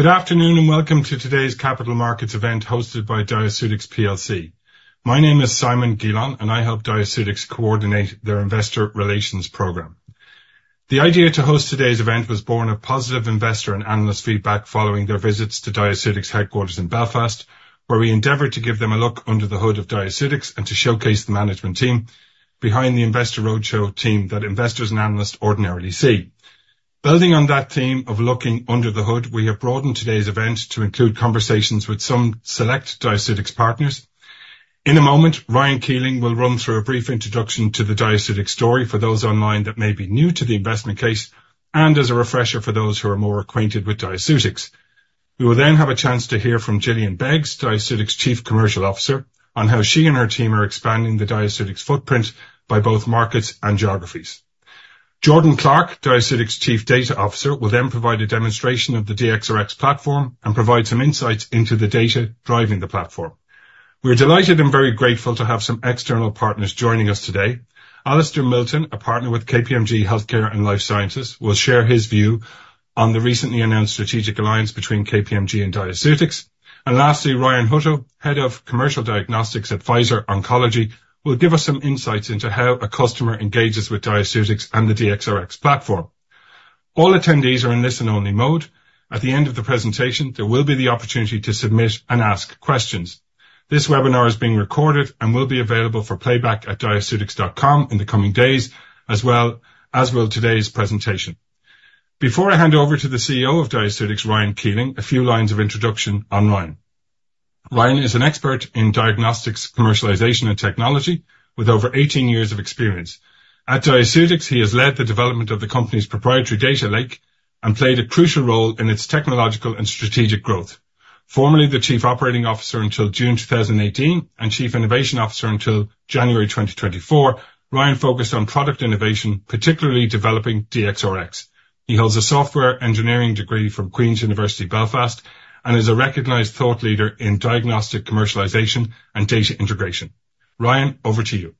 Good afternoon and welcome to today's Capital Markets event hosted by Diaceutics PLC. My name is Simon Geelon, and I help Diaceutics coordinate their investor relations program. The idea to host today's event was born of positive investor and analyst feedback following their visits to Diaceutics' headquarters in Belfast, where we endeavored to give them a look under the hood of Diaceutics and to showcase the management team behind the investor roadshow team that investors and analysts ordinarily see. Building on that theme of looking under the hood, we have broadened today's event to include conversations with some select Diaceutics partners. In a moment, Ryan Keeling will run through a brief introduction to the Diaceutics story for those online that may be new to the investment case, and as a refresher for those who are more acquainted with Diaceutics. We will then have a chance to hear from Jillian Beggs, Diaceutics' Chief Commercial Officer, on how she and her team are expanding the Diaceutics footprint by both markets and geographies. Jordan Clark, Diaceutics' Chief Data Officer, will then provide a demonstration of the DXRX platform and provide some insights into the data driving the platform. We're delighted and very grateful to have some external partners joining us today. Alasdair Milton, a Partner with KPMG Healthcare and Life Sciences, will share his view on the recently announced strategic alliance between KPMG and Diaceutics. Lastly, Ryan Hutto, Head of Commercial Diagnostics at Pfizer Oncology, will give us some insights into how a customer engages with Diaceutics and the DXRX platform. All attendees are in listen-only mode. At the end of the presentation, there will be the opportunity to submit and ask questions. This webinar is being recorded and will be available for playback at diaceutics.com in the coming days, as well as will today's presentation. Before I hand over to the CEO of Diaceutics, Ryan Keeling, a few lines of introduction on Ryan. Ryan is an expert in diagnostics, commercialization, and technology with over 18 years of experience. At Diaceutics, he has led the development of the company's proprietary data lake and played a crucial role in its technological and strategic growth. Formerly the Chief Operating Officer until June 2018 and Chief Innovation Officer until January 2024, Ryan focused on product innovation, particularly developing DXRX. He holds a software engineering degree from Queen's University Belfast and is a recognized thought leader in diagnostic commercialization and data integration. Ryan, over to you.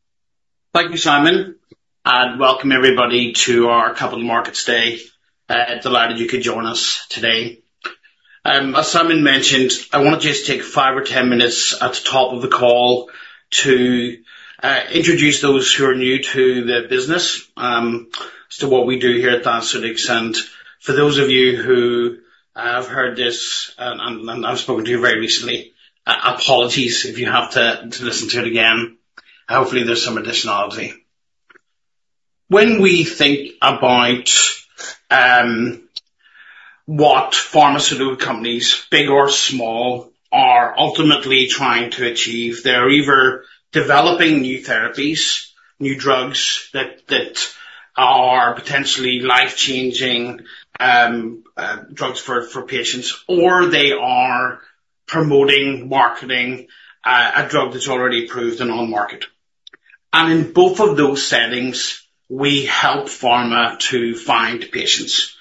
Thank you, Simon, and welcome everybody to our Capital Markets Day. I'm delighted you could join us today. As Simon mentioned, I want to just take five or 10 minutes at the top of the call to introduce those who are new to the business, to what we do here at Diaceutics. And for those of you who have heard this and I've spoken to you very recently, apologies if you have to listen to it again. Hopefully, there's some additionality. When we think about what pharmaceutical companies, big or small, are ultimately trying to achieve, they're either developing new therapies, new drugs that are potentially life-changing drugs for patients, or they are promoting, marketing a drug that's already approved and on the market. And in both of those settings, we help pharma to find patients.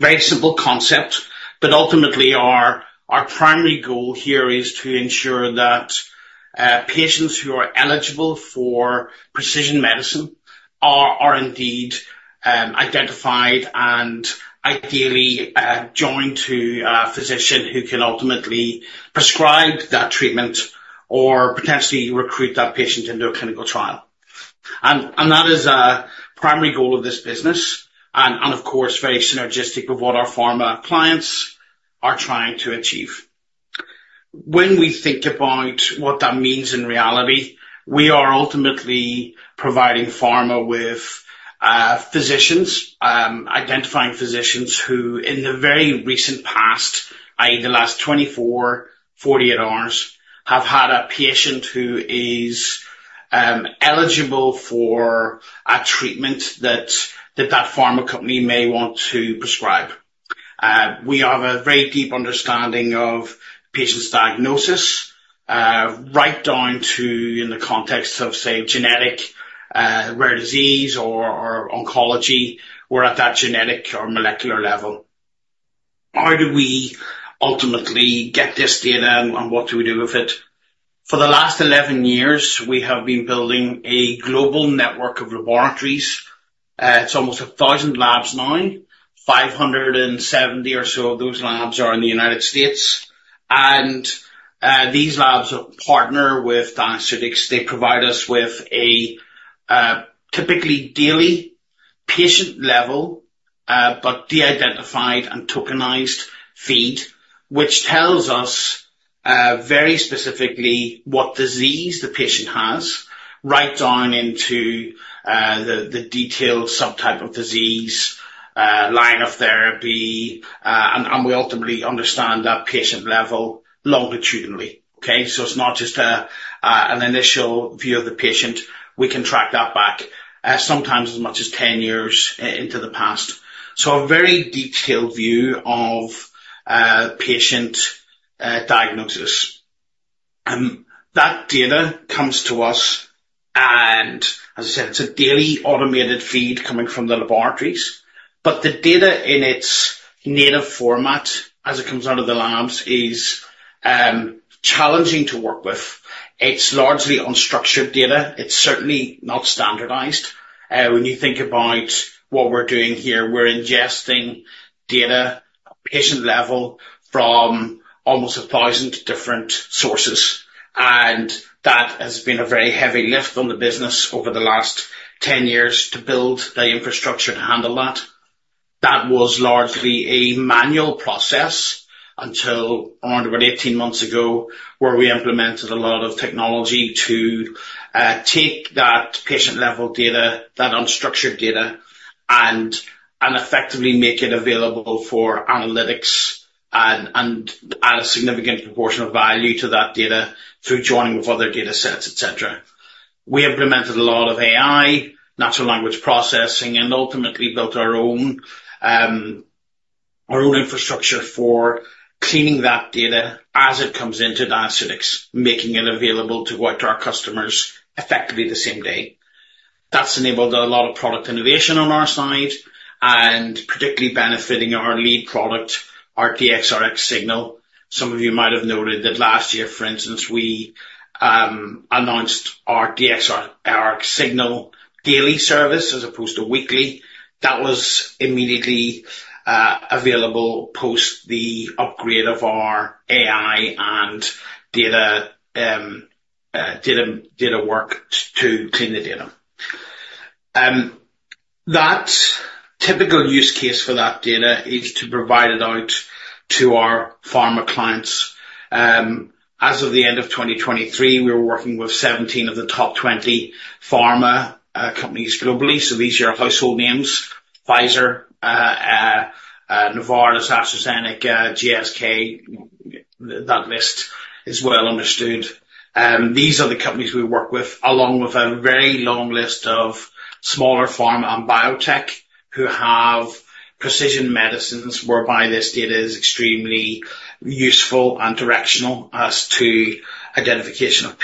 Very simple concept, but ultimately our primary goal here is to ensure that patients who are eligible for precision medicine are indeed identified and ideally joined to a physician who can ultimately prescribe that treatment or potentially recruit that patient into a clinical trial. That is a primary goal of this business and, of course, very synergistic with what our pharma clients are trying to achieve. When we think about what that means in reality, we are ultimately providing pharma with physicians, identifying physicians who, in the very recent past, i.e., the last 24, 48 hours, have had a patient who is eligible for a treatment that that pharma company may want to prescribe. We have a very deep understanding of patients' diagnosis, right down to, in the context of, say, genetic rare disease or oncology, we're at that genetic or molecular level. How do we ultimately get this data and what do we do with it? For the last 11 years, we have been building a global network of laboratories. It's almost 1,000 labs now. 570 or so of those labs are in the United States. These labs partner with Diaceutics. They provide us with a typically daily patient-level but de-identified and tokenized feed, which tells us very specifically what disease the patient has, right down into the detailed subtype of disease, line of therapy, and we ultimately understand that patient level longitudinally. Okay? It's not just an initial view of the patient. We can track that back sometimes as much as 10 years into the past. A very detailed view of patient diagnosis. That data comes to us, and as I said, it's a daily automated feed coming from the laboratories, but the data in its native format, as it comes out of the labs, is challenging to work with. It's largely unstructured data. It's certainly not standardized. When you think about what we're doing here, we're ingesting data at patient level from almost 1,000 different sources. And that has been a very heavy lift on the business over the last 10 years to build the infrastructure to handle that. That was largely a manual process until around about 18 months ago, where we implemented a lot of technology to take that patient-level data, that unstructured data, and effectively make it available for analytics and add a significant proportion of value to that data through joining with other data sets, etc. We implemented a lot of AI, natural language processing, and ultimately built our own infrastructure for cleaning that data as it comes into Diaceutics, making it available to our customers effectively the same day. That's enabled a lot of product innovation on our side and particularly benefiting our lead product, our DXRX Signal. Some of you might have noted that last year, for instance, we announced our DXRX Signal daily service as opposed to weekly. That was immediately available post the upgrade of our AI and data work to clean the data. That typical use case for that data is to provide it out to our pharma clients. As of the end of 2023, we were working with 17 of the top 20 pharma companies globally. So these are household names: Pfizer, Novartis, AstraZeneca, GSK. That list is well understood. These are the companies we work with, along with a very long list of smaller pharma and biotech who have precision medicines, whereby this data is extremely useful and directional as to identification of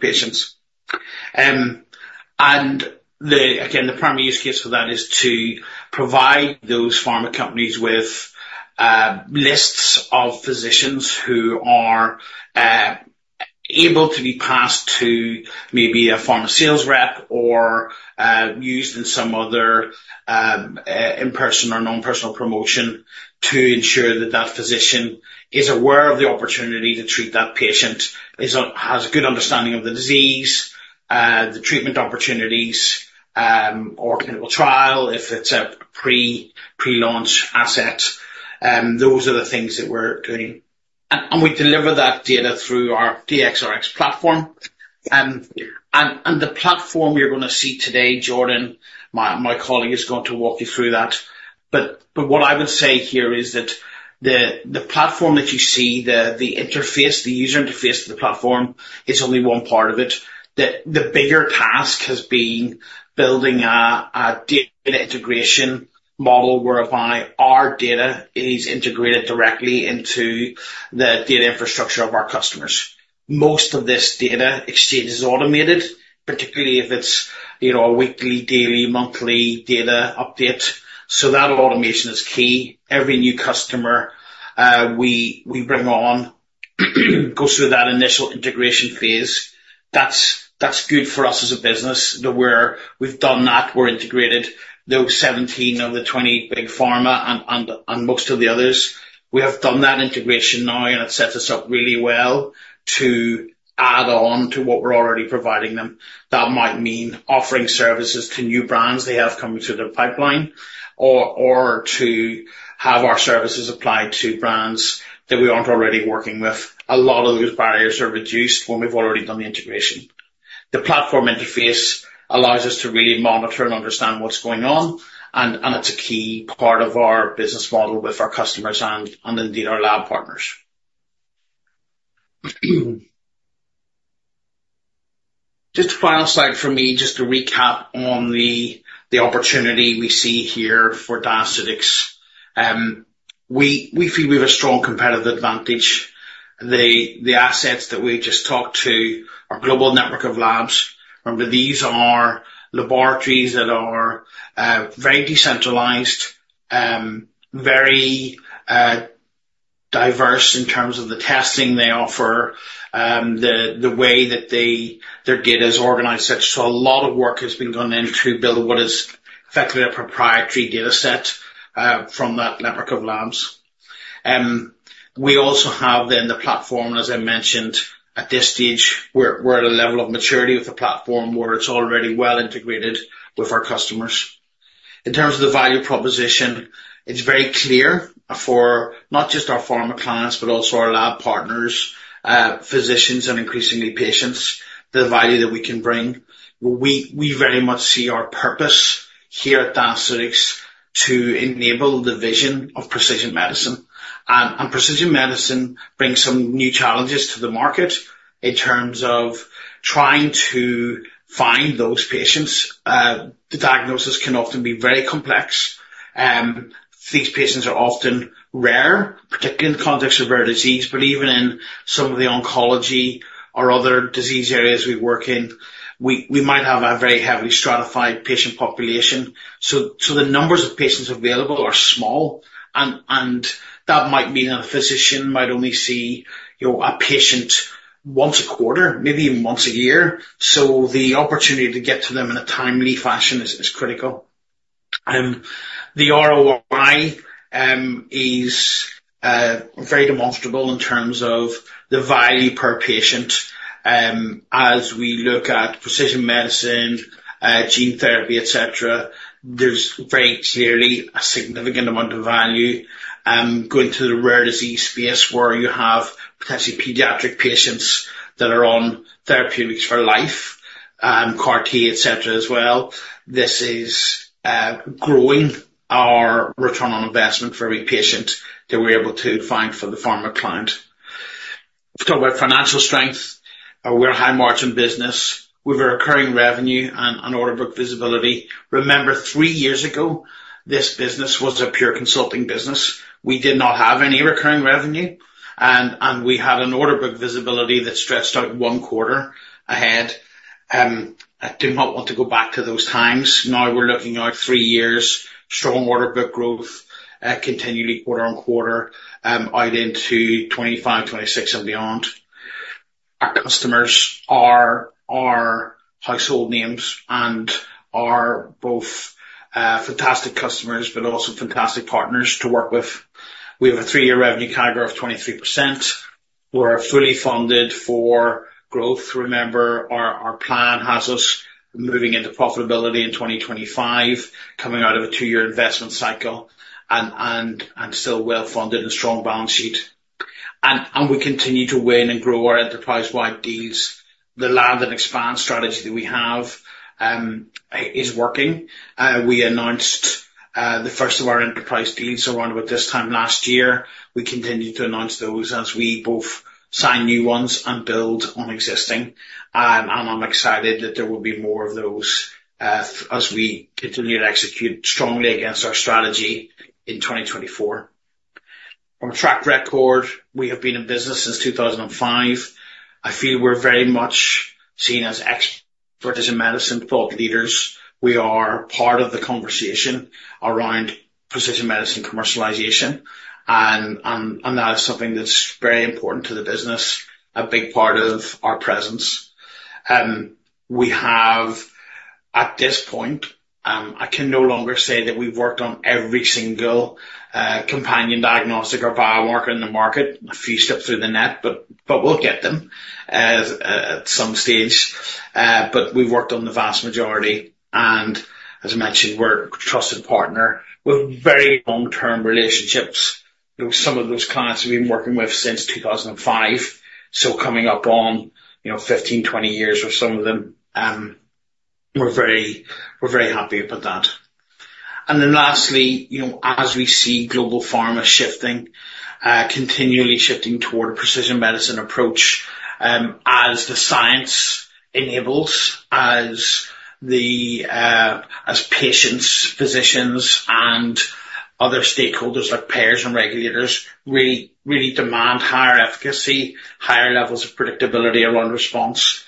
patients. And again, the primary use case for that is to provide those pharma companies with lists of physicians who are able to be passed to maybe a pharma sales rep or used in some other in-person or non-personal promotion to ensure that that physician is aware of the opportunity to treat that patient, has a good understanding of the disease, the treatment opportunities, or clinical trial if it's a pre-launch asset. Those are the things that we're doing. And we deliver that data through our DXRX Platform. And the platform you're going to see today, Jordan, my colleague, is going to walk you through that. But what I would say here is that the platform that you see, the user interface to the platform, is only one part of it. The bigger task has been building a data integration model whereby our data is integrated directly into the data infrastructure of our customers. Most of this data exchange is automated, particularly if it's a weekly, daily, monthly data update. So that automation is key. Every new customer we bring on goes through that initial integration phase. That's good for us as a business that we've done that. We're integrated. Those 17 of the 20 big pharma and most of the others, we have done that integration now, and it sets us up really well to add on to what we're already providing them. That might mean offering services to new brands they have coming through the pipeline or to have our services applied to brands that we aren't already working with. A lot of those barriers are reduced when we've already done the integration. The platform interface allows us to really monitor and understand what's going on, and it's a key part of our business model with our customers and indeed our lab partners. Just a final slide from me, just to recap on the opportunity we see here for Diaceutics. We feel we have a strong competitive advantage. The assets that we've just talked to are a global network of labs. Remember, these are laboratories that are very decentralized, very diverse in terms of the testing they offer, the way that their data is organized, etc. So a lot of work has been done to build what is effectively a proprietary data set from that network of labs. We also have then the platform, as I mentioned, at this stage, we're at a level of maturity with the platform where it's already well integrated with our customers. In terms of the value proposition, it's very clear for not just our pharma clients, but also our lab partners, physicians, and increasingly patients, the value that we can bring. We very much see our purpose here at Diaceutics to enable the vision of precision medicine. And precision medicine brings some new challenges to the market in terms of trying to find those patients. The diagnosis can often be very complex. These patients are often rare, particularly in the context of rare disease, but even in some of the oncology or other disease areas we work in, we might have a very heavily stratified patient population. So the numbers of patients available are small, and that might mean a physician might only see a patient once a quarter, maybe even once a year. So the opportunity to get to them in a timely fashion is critical. The ROI is very demonstrable in terms of the value per patient. As we look at precision medicine, gene therapy, etc., there's very clearly a significant amount of value going to the rare disease space where you have potentially pediatric patients that are on therapeutics for life, CAR-T, etc., as well. This is growing our return on investment for every patient that we're able to find for the pharma client. We talk about financial strength. We're a high-margin business with recurring revenue and order book visibility. Remember, three years ago, this business was a pure consulting business. We did not have any recurring revenue, and we had an order book visibility that stretched out one quarter ahead. I do not want to go back to those times. Now we're looking at three years, strong order book growth, continually quarter on quarter, out into 2025, 2026, and beyond. Our customers are household names and are both fantastic customers, but also fantastic partners to work with. We have a three-year revenue CAGR of 23%. We're fully funded for growth. Remember, our plan has us moving into profitability in 2025, coming out of a two-year investment cycle, and still well funded and strong balance sheet. And we continue to win and grow our enterprise-wide deals. The land and expand strategy that we have is working. We announced the first of our enterprise deals around about this time last year. We continue to announce those as we both sign new ones and build on existing. And I'm excited that there will be more of those as we continue to execute strongly against our strategy in 2024. From a track record, we have been in business since 2005. I feel we're very much seen as experts in precision medicine, thought leaders. We are part of the conversation around precision medicine commercialization, and that is something that's very important to the business, a big part of our presence. We have, at this point, I can no longer say that we've worked on every single companion diagnostic or biomarker in the market. A few slipped through the net, but we'll get them at some stage. But we've worked on the vast majority. As I mentioned, we're a trusted partner with very long-term relationships. Some of those clients we've been working with since 2005, so coming up on 15, 20 years with some of them. We're very happy about that. Then lastly, as we see global pharma shifting, continually shifting toward a precision medicine approach as the science enables, as patients, physicians, and other stakeholders like payers and regulators really demand higher efficacy, higher levels of predictability around response,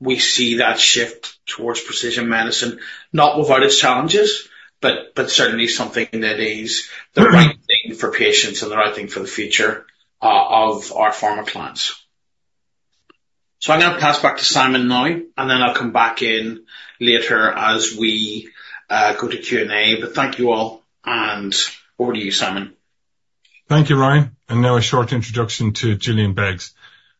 we see that shift towards precision medicine, not without its challenges, but certainly something that is the right thing for patients and the right thing for the future of our pharma clients. So I'm going to pass back to Simon now, and then I'll come back in later as we go to Q&A. Thank you all, and over to you, Simon. Thank you, Ryan. Now a short introduction to Jillian Beggs.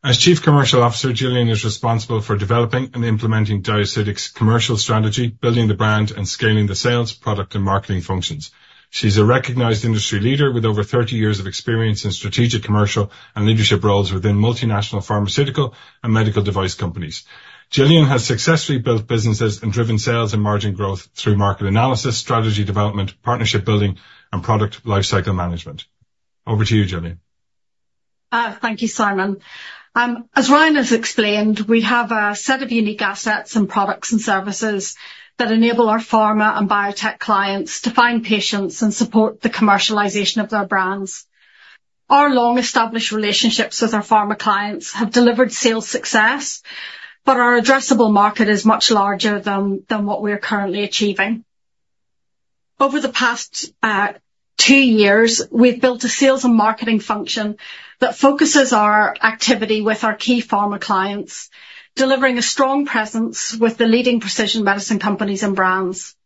As Chief Commercial Officer, Jillian is responsible for developing and implementing Diaceutics' commercial strategy, building the brand, and scaling the sales, product, and marketing functions. She's a recognized industry leader with over 30 years of experience in strategic commercial and leadership roles within multinational pharmaceutical and medical device companies. Jillian has successfully built businesses and driven sales and margin growth through market analysis, strategy development, partnership building, and product lifecycle management. Over to you, Jillian. Thank you, Simon. As Ryan has explained, we have a set of unique assets and products and services that enable our pharma and biotech clients to find patients and support the commercialization of their brands. Our long-established relationships with our pharma clients have delivered sales success, but our addressable market is much larger than what we're currently achieving. Over the past two years, we've built a sales and marketing function that focuses our activity with our key pharma clients, delivering a strong presence with the leading precision medicine companies and brands.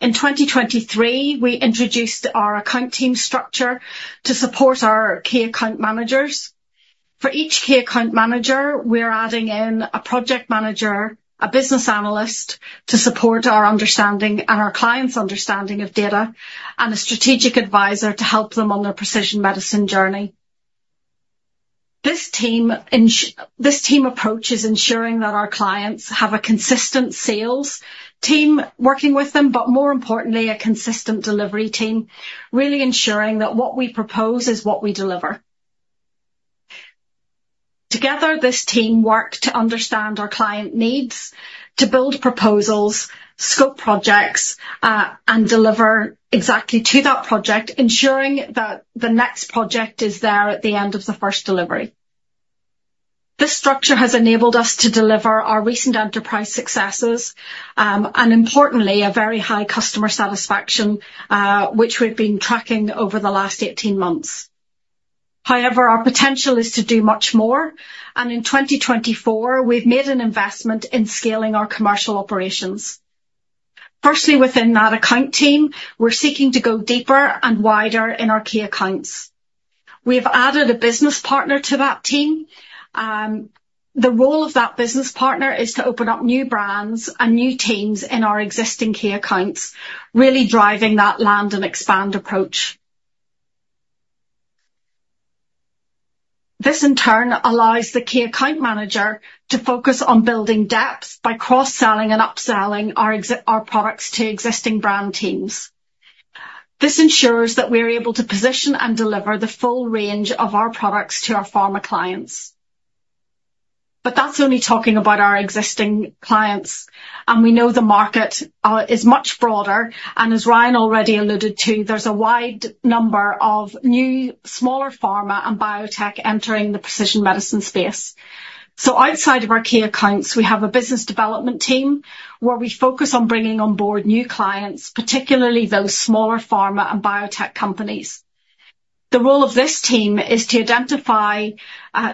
In 2023, we introduced our account team structure to support our key account managers. For each key account manager, we're adding in a project manager, a business analyst to support our understanding and our clients' understanding of data, and a strategic advisor to help them on their precision medicine journey. This team approach is ensuring that our clients have a consistent sales team working with them, but more importantly, a consistent delivery team, really ensuring that what we propose is what we deliver. Together, this team worked to understand our client needs, to build proposals, scope projects, and deliver exactly to that project, ensuring that the next project is there at the end of the first delivery. This structure has enabled us to deliver our recent enterprise successes and, importantly, a very high customer satisfaction, which we've been tracking over the last 18 months. However, our potential is to do much more, and in 2024, we've made an investment in scaling our commercial operations. Firstly, within that account team, we're seeking to go deeper and wider in our key accounts. We have added a business partner to that team. The role of that business partner is to open up new brands and new teams in our existing key accounts, really driving that land and expand approach. This, in turn, allows the key account manager to focus on building depth by cross-selling and upselling our products to existing brand teams. This ensures that we're able to position and deliver the full range of our products to our pharma clients. That's only talking about our existing clients, and we know the market is much broader. As Ryan already alluded to, there's a wide number of new smaller pharma and biotech entering the precision medicine space. Outside of our key accounts, we have a business development team where we focus on bringing on board new clients, particularly those smaller pharma and biotech companies. The role of this team is to identify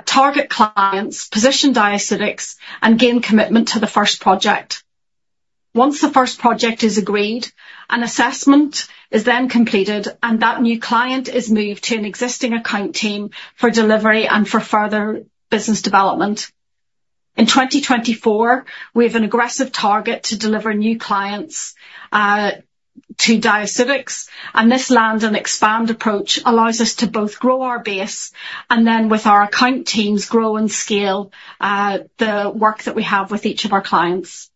target clients, position Diaceutics, and gain commitment to the first project. Once the first project is agreed, an assessment is then completed, and that new client is moved to an existing account team for delivery and for further business development. In 2024, we have an aggressive target to deliver new clients to Diaceutics, and this land and expand approach allows us to both grow our base and then, with our account teams, grow and scale the work that we have with each of our clients.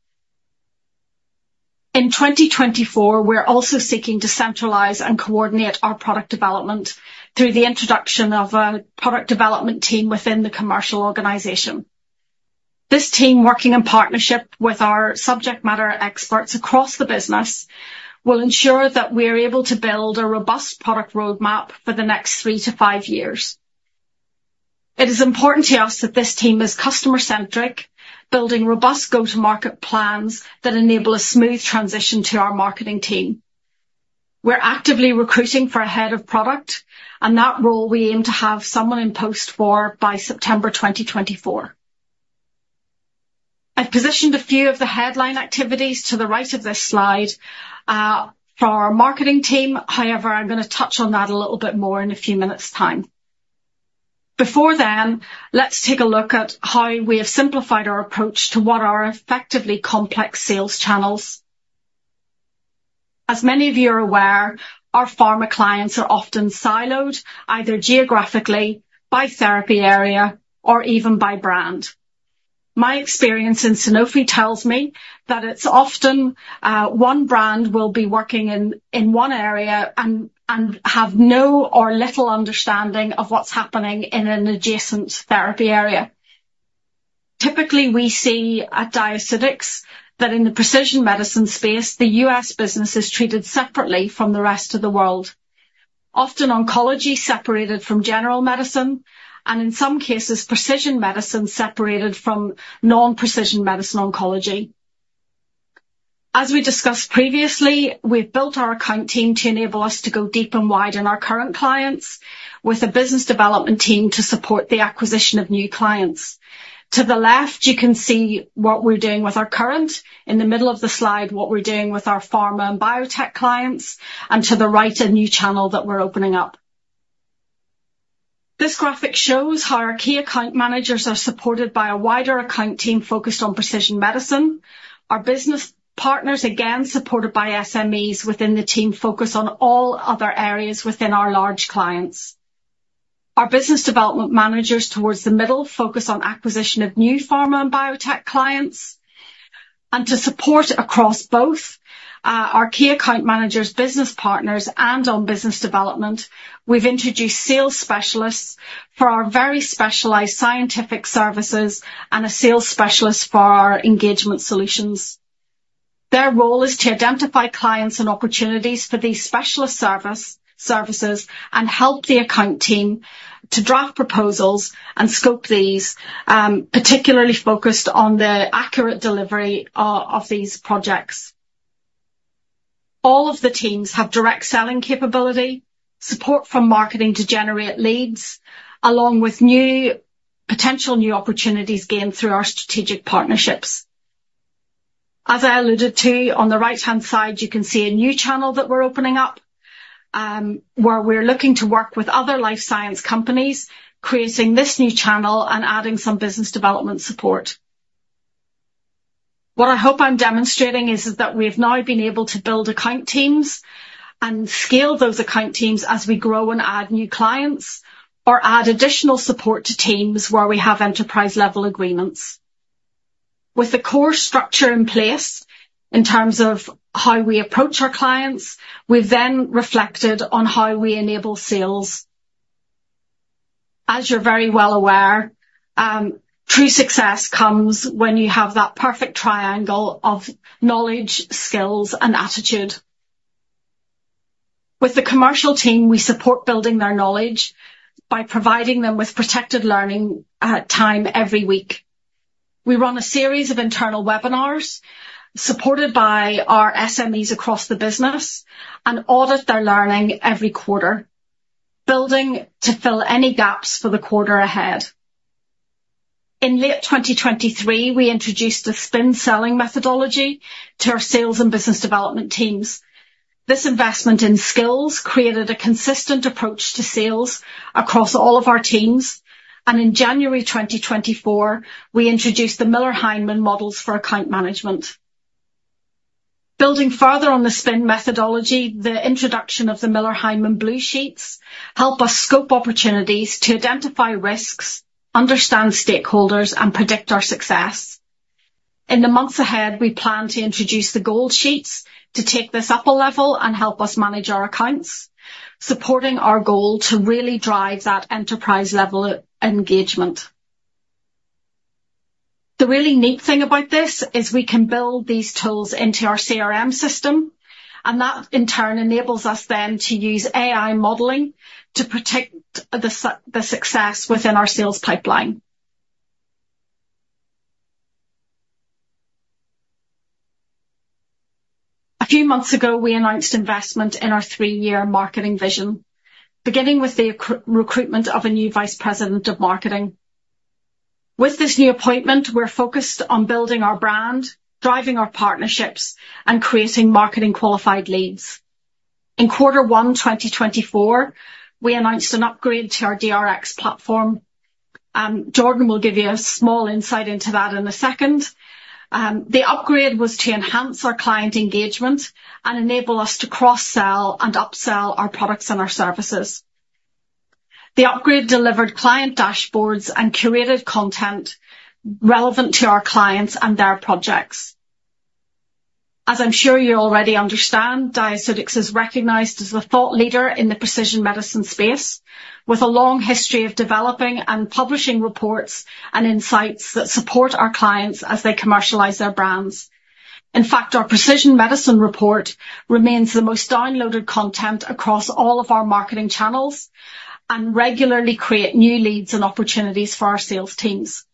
In 2024, we're also seeking to centralize and coordinate our product development through the introduction of a product development team within the commercial organization. This team, working in partnership with our subject matter experts across the business, will ensure that we are able to build a robust product roadmap for the next three to five years. It is important to us that this team is customer-centric, building robust go-to-market plans that enable a smooth transition to our marketing team. We're actively recruiting for a head of product, and that role, we aim to have someone in post for by September 2024. I've positioned a few of the headline activities to the right of this slide for our marketing team. However, I'm going to touch on that a little bit more in a few minutes' time. Before then, let's take a look at how we have simplified our approach to what are effectively complex sales channels. As many of you are aware, our pharma clients are often siloed, either geographically, by therapy area, or even by brand. My experience in Sanofi tells me that it's often one brand will be working in one area and have no or little understanding of what's happening in an adjacent therapy area. Typically, we see at Diaceutics that in the precision medicine space, the U.S. business is treated separately from the rest of the world, often oncology separated from general medicine, and in some cases, precision medicine separated from non-precision medicine oncology. As we discussed previously, we've built our account team to enable us to go deep and wide in our current clients, with a business development team to support the acquisition of new clients. To the left, you can see what we're doing with our current. In the middle of the slide, what we're doing with our pharma and biotech clients, and to the right, a new channel that we're opening up. This graphic shows how our key account managers are supported by a wider account team focused on precision medicine. Our business partners, again, supported by SMEs within the team, focus on all other areas within our large clients. Our business development managers, towards the middle, focus on acquisition of new pharma and biotech clients. To support across both our key account managers, business partners, and on business development, we've introduced sales specialists for our very specialized scientific services and a sales specialist for our engagement solutions. Their role is to identify clients and opportunities for these specialist services and help the account team to draft proposals and scope these, particularly focused on the accurate delivery of these projects. All of the teams have direct selling capability, support from marketing to generate leads, along with potential new opportunities gained through our strategic partnerships. As I alluded to, on the right-hand side, you can see a new channel that we're opening up, where we're looking to work with other life science companies, creating this new channel and adding some business development support. What I hope I'm demonstrating is that we have now been able to build account teams and scale those account teams as we grow and add new clients or add additional support to teams where we have enterprise-level agreements. With the core structure in place in terms of how we approach our clients, we've then reflected on how we enable sales. As you're very well aware, true success comes when you have that perfect triangle of knowledge, skills, and attitude. With the commercial team, we support building their knowledge by providing them with protected learning time every week. We run a series of internal webinars supported by our SMEs across the business and audit their learning every quarter, building to fill any gaps for the quarter ahead. In late 2023, we introduced a SPIN Selling methodology to our sales and business development teams. This investment in skills created a consistent approach to sales across all of our teams. In January 2024, we introduced the Miller Heiman models for account management. Building further on the SPIN methodology, the introduction of the Miller Heiman Blue Sheet helps us scope opportunities to identify risks, understand stakeholders, and predict our success. In the months ahead, we plan to introduce the Gold Sheet to take this up a level and help us manage our accounts, supporting our goal to really drive that enterprise-level engagement. The really neat thing about this is we can build these tools into our CRM system, and that, in turn, enables us then to use AI modeling to predict the success within our sales pipeline. A few months ago, we announced investment in our three-year marketing vision, beginning with the recruitment of a new vice president of marketing. With this new appointment, we're focused on building our brand, driving our partnerships, and creating marketing-qualified leads. In quarter one 2024, we announced an upgrade to our DXRX platform. Jordan will give you a small insight into that in a second. The upgrade was to enhance our client engagement and enable us to cross-sell and upsell our products and our services. The upgrade delivered client dashboards and curated content relevant to our clients and their projects. As I'm sure you already understand, Diaceutics is recognized as a thought leader in the precision medicine space, with a long history of developing and publishing reports and insights that support our clients as they commercialize their brands. In fact, our precision medicine report remains the most downloaded content across all of our marketing channels and regularly creates new leads and opportunities for our sales teams.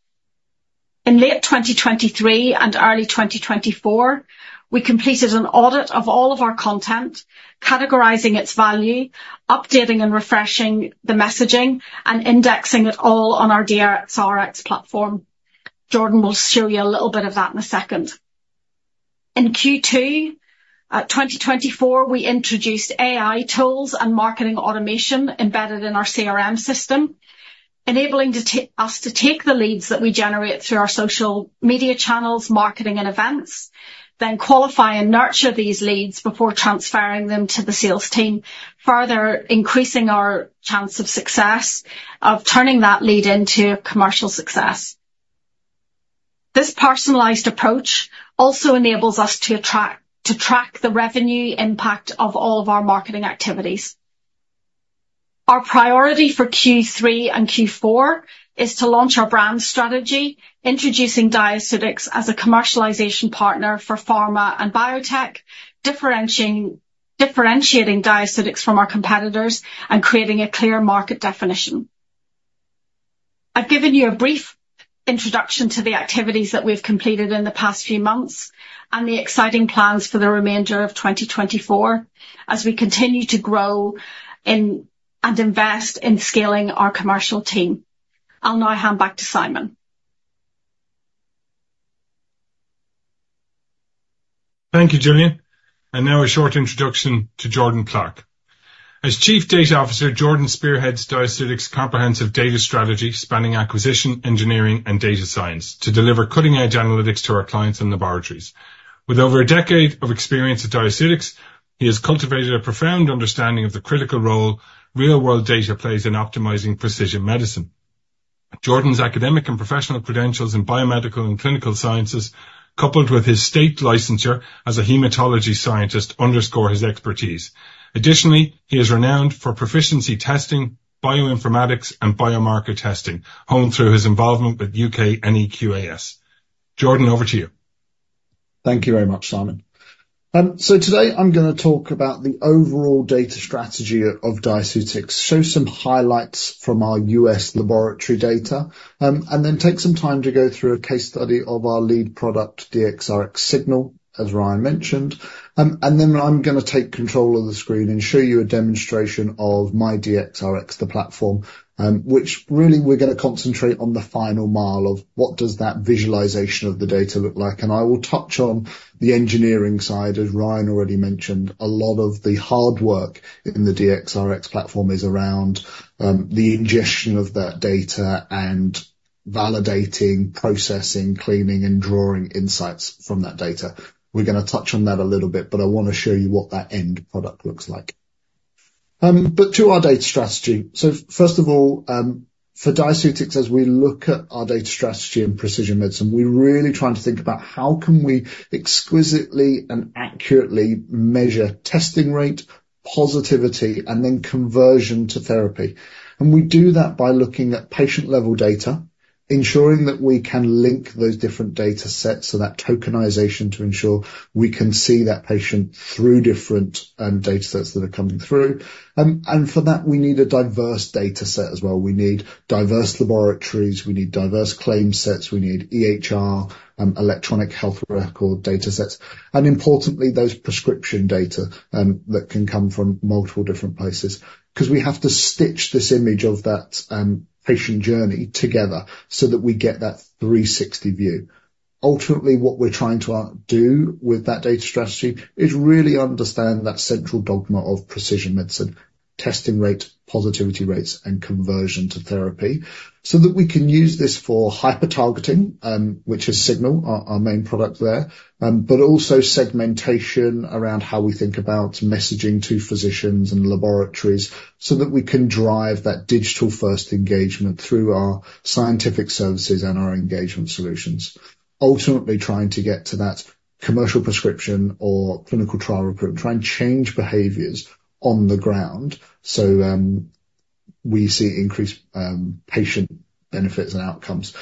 In late 2023 and early 2024, we completed an audit of all of our content, categorizing its value, updating and refreshing the messaging, and indexing it all on our DXRX platform. Jordan will show you a little bit of that in a second. In Q2 2024, we introduced AI tools and marketing automation embedded in our CRM system, enabling us to take the leads that we generate through our social media channels, marketing, and events, then qualify and nurture these leads before transferring them to the sales team, further increasing our chance of success of turning that lead into commercial success. This personalized approach also enables us to track the revenue impact of all of our marketing activities. Our priority for Q3 and Q4 is to launch our brand strategy, introducing Diaceutics as a commercialization partner for pharma and biotech, differentiating Diaceutics from our competitors and creating a clear market definition. I've given you a brief introduction to the activities that we've completed in the past few months and the exciting plans for the remainder of 2024 as we continue to grow and invest in scaling our commercial team. I'll now hand back to Simon. Thank you, Jillian. And now a short introduction to Jordan Clark. As Chief Data Officer, Jordan spearheads Diaceutics' comprehensive data strategy spanning acquisition, engineering, and data science to deliver cutting-edge analytics to our clients and laboratories. With over a decade of experience at Diaceutics, he has cultivated a profound understanding of the critical role real-world data plays in optimizing precision medicine. Jordan's academic and professional credentials in biomedical and clinical sciences, coupled with his state licensure as a hematology scientist, underscore his expertise. Additionally, he is renowned for proficiency testing, bioinformatics, and biomarker testing, honed through his involvement with UK NEQAS. Jordan, over to you. Thank you very much, Simon. So today, I'm going to talk about the overall data strategy of Diaceutics, show some highlights from our US laboratory data, and then take some time to go through a case study of our lead product, DXRX Signal, as Ryan mentioned. And then I'm going to take control of the screen and show you a demonstration of My DXRX, the platform, which really we're going to concentrate on the final mile of what does that visualization of the data look like. And I will touch on the engineering side, as Ryan already mentioned. A lot of the hard work in the DXRX platform is around the ingestion of that data and validating, processing, cleaning, and drawing insights from that data. We're going to touch on that a little bit, but I want to show you what that end product looks like. But to our data strategy. So first of all, for Diaceutics, as we look at our data strategy in precision medicine, we're really trying to think about how can we exquisitely and accurately measure testing rate, positivity, and then conversion to therapy. And we do that by looking at patient-level data, ensuring that we can link those different data sets so that tokenization to ensure we can see that patient through different data sets that are coming through. And for that, we need a diverse data set as well. We need diverse laboratories. We need diverse claim sets. We need EHR, electronic health record data sets, and importantly, those prescription data that can come from multiple different places, because we have to stitch this image of that patient journey together so that we get that 360 view. Ultimately, what we're trying to do with that data strategy is really understand that central dogma of precision medicine, testing rate, positivity rates, and conversion to therapy, so that we can use this for hyper-targeting, which is Signal, our main product there, but also segmentation around how we think about messaging to physicians and laboratories so that we can drive that digital-first engagement through our scientific services and our engagement solutions. Ultimately, trying to get to that commercial prescription or clinical trial recruitment, trying to change behaviors on the ground so we see increased patient benefits and outcomes.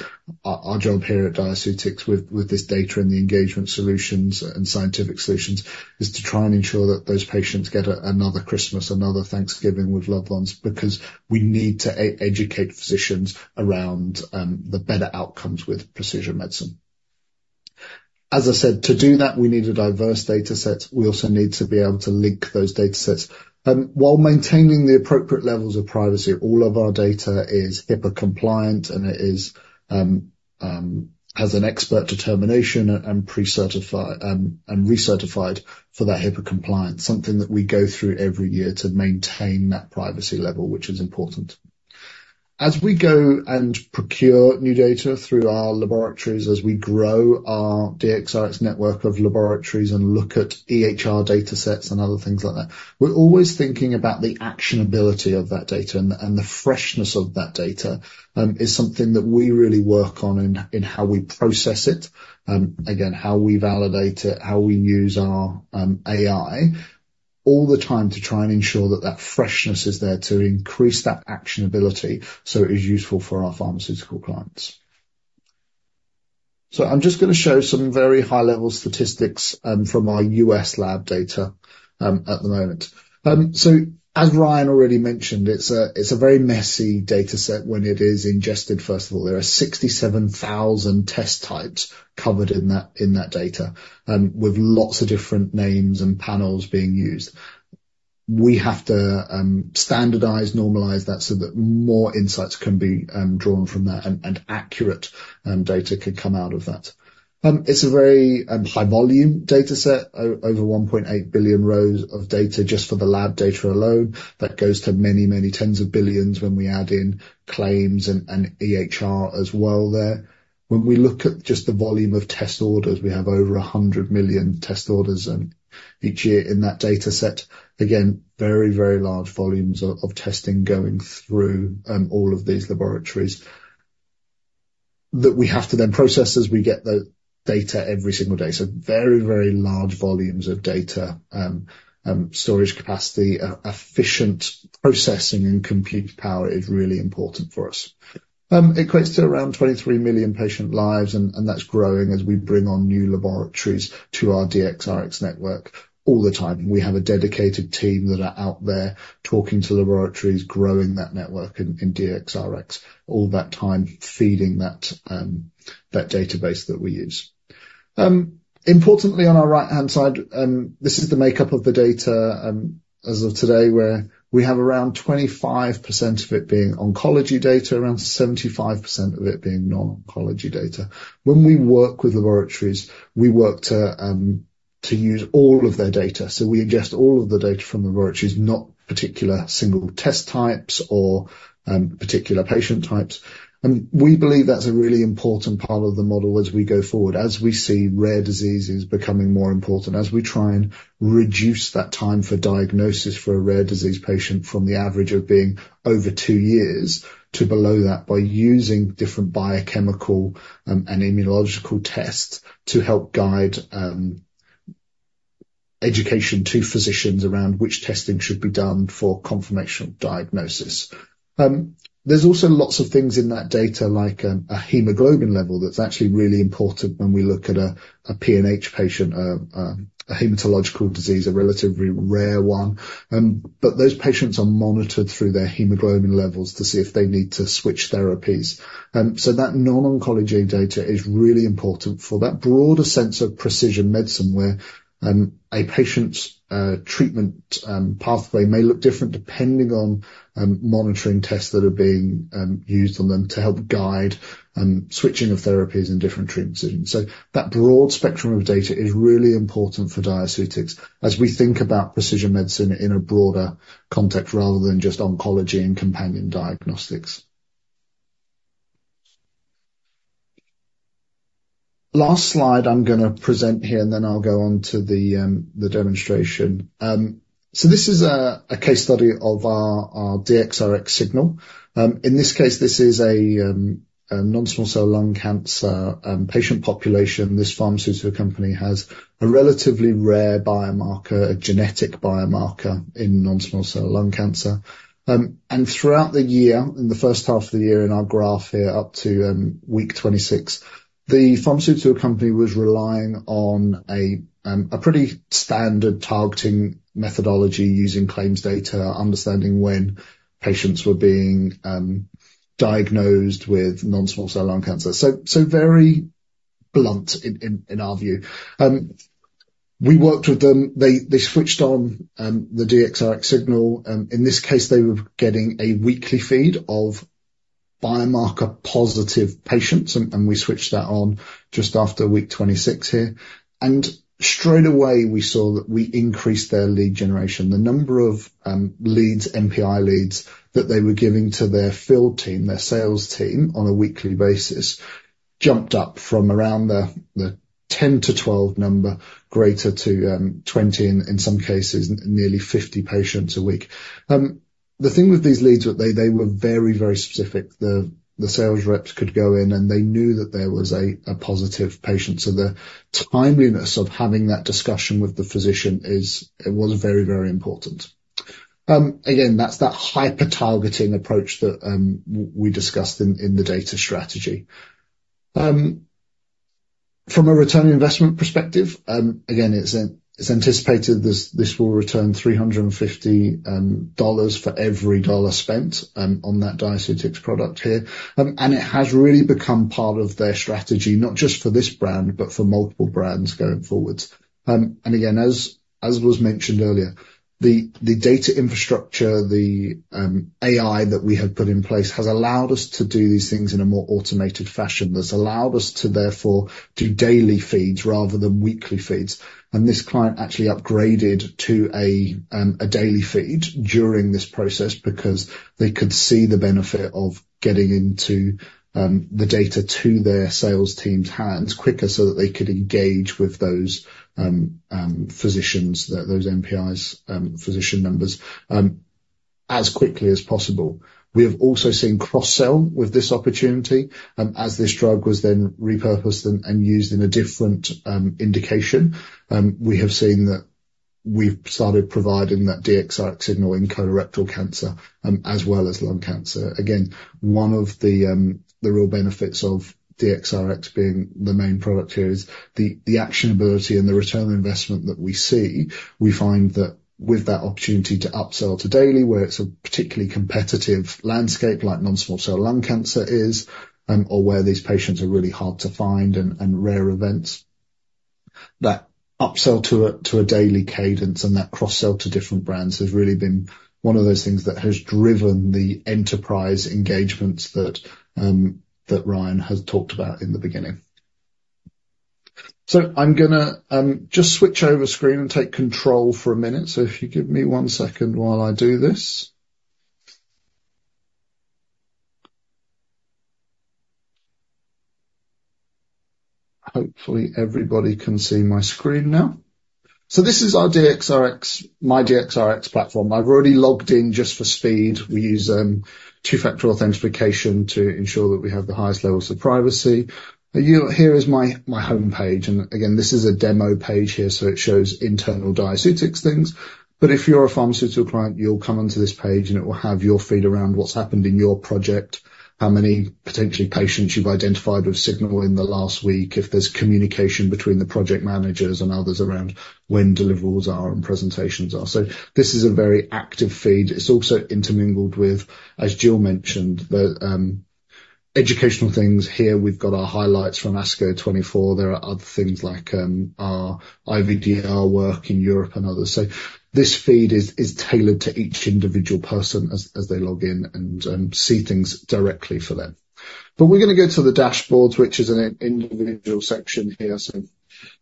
Our job here at Diaceutics with this data and the engagement solutions and scientific solutions is to try and ensure that those patients get another Christmas, another Thanksgiving with loved ones, because we need to educate physicians around the better outcomes with precision medicine. As I said, to do that, we need a diverse data set. We also need to be able to link those data sets while maintaining the appropriate levels of privacy. All of our data is HIPAA-compliant, and it has an expert determination and recertified for that HIPAA compliance, something that we go through every year to maintain that privacy level, which is important. As we go and procure new data through our laboratories, as we grow our DXRX Network of laboratories and look at EHR data sets and other things like that, we're always thinking about the actionability of that data, and the freshness of that data is something that we really work on in how we process it, again, how we validate it, how we use our AI all the time to try and ensure that that freshness is there to increase that actionability so it is useful for our pharmaceutical clients. So I'm just going to show some very high-level statistics from our U.S. lab data at the moment. So as Ryan already mentioned, it's a very messy data set when it is ingested. First of all, there are 67,000 test types covered in that data, with lots of different names and panels being used. We have to standardize, normalize that so that more insights can be drawn from that and accurate data can come out of that. It's a very high-volume data set, over 1.8 billion rows of data just for the lab data alone that goes to many, many tens of billions when we add in claims and EHR as well there. When we look at just the volume of test orders, we have over 100 million test orders each year in that data set. Again, very, very large volumes of testing going through all of these laboratories that we have to then process as we get the data every single day. So very, very large volumes of data, storage capacity, efficient processing, and compute power is really important for us. It equates to around 23 million patient lives, and that's growing as we bring on new laboratories to our DXRX Network all the time. We have a dedicated team that are out there talking to laboratories, growing that network in DXRX all that time, feeding that database that we use. Importantly, on our right-hand side, this is the makeup of the data as of today, where we have around 25% of it being oncology data, around 75% of it being non-oncology data. When we work with laboratories, we work to use all of their data. So we ingest all of the data from the laboratories, not particular single test types or particular patient types. We believe that's a really important part of the model as we go forward, as we see rare diseases becoming more important, as we try and reduce that time for diagnosis for a rare disease patient from the average of being over two years to below that by using different biochemical and immunological tests to help guide education to physicians around which testing should be done for confirmation of diagnosis. There's also lots of things in that data, like a hemoglobin level that's actually really important when we look at a PNH patient, a hematological disease, a relatively rare one. But those patients are monitored through their hemoglobin levels to see if they need to switch therapies. So that non-oncology data is really important for that broader sense of precision medicine, where a patient's treatment pathway may look different depending on monitoring tests that are being used on them to help guide switching of therapies and different treatment decisions. So that broad spectrum of data is really important for Diaceutics as we think about precision medicine in a broader context rather than just oncology and companion diagnostics. Last slide I'm going to present here, and then I'll go on to the demonstration. So this is a case study of our DXRX Signal. In this case, this is a non-small cell lung cancer patient population. This pharmaceutical company has a relatively rare biomarker, a genetic biomarker in non-small cell lung cancer. Throughout the year, in the first half of the year in our graph here up to week 26, the pharmaceutical company was relying on a pretty standard targeting methodology using claims data, understanding when patients were being diagnosed with non-small cell lung cancer. So very blunt in our view. We worked with them. They switched on the DXRX Signal. In this case, they were getting a weekly feed of biomarker-positive patients, and we switched that on just after week 26 here. And straight away, we saw that we increased their lead generation. The number of leads, NPI leads that they were giving to their field team, their sales team on a weekly basis, jumped up from around the 10-12 number greater to 20, in some cases, nearly 50 patients a week. The thing with these leads was they were very, very specific. The sales reps could go in, and they knew that there was a positive patient. The timeliness of having that discussion with the physician was very, very important. Again, that's that hyper-targeting approach that we discussed in the data strategy. From a return investment perspective, again, it's anticipated this will return $350 for every dollar spent on that Diaceutics product here. It has really become part of their strategy, not just for this brand, but for multiple brands going forward. Again, as was mentioned earlier, the data infrastructure, the AI that we have put in place has allowed us to do these things in a more automated fashion. That's allowed us to therefore do daily feeds rather than weekly feeds. This client actually upgraded to a daily feed during this process because they could see the benefit of getting into the data to their sales team's hands quicker so that they could engage with those physicians, those NPIs, physician numbers as quickly as possible. We have also seen cross-sell with this opportunity. As this drug was then repurposed and used in a different indication, we have seen that we've started providing that DXRX Signal in colorectal cancer as well as lung cancer. Again, one of the real benefits of DXRX being the main product here is the actionability and the return investment that we see. We find that with that opportunity to upsell to daily, where it's a particularly competitive landscape like non-small cell lung cancer is, or where these patients are really hard to find and rare events, that upsell to a daily cadence and that cross-sell to different brands has really been one of those things that has driven the enterprise engagements that Ryan has talked about in the beginning. So I'm going to just switch over screen and take control for a minute. So if you give me one second while I do this. Hopefully, everybody can see my screen now. So this is our DXRX, My DXRX platform. I've already logged in just for speed. We use two-factor authentication to ensure that we have the highest levels of privacy. Here is my homepage. And again, this is a demo page here, so it shows internal Diaceutics things. But if you're a pharmaceutical client, you'll come onto this page, and it will have your feed around what's happened in your project, how many potentially patients you've identified with Signal in the last week, if there's communication between the project managers and others around when deliverables are and presentations are. So this is a very active feed. It's also intermingled with, as Jill mentioned, the educational things. Here we've got our highlights from ASCO 2024. There are other things like our IVDR work in Europe and others. So this feed is tailored to each individual person as they log in and see things directly for them. But we're going to go to the dashboards, which is an individual section here. So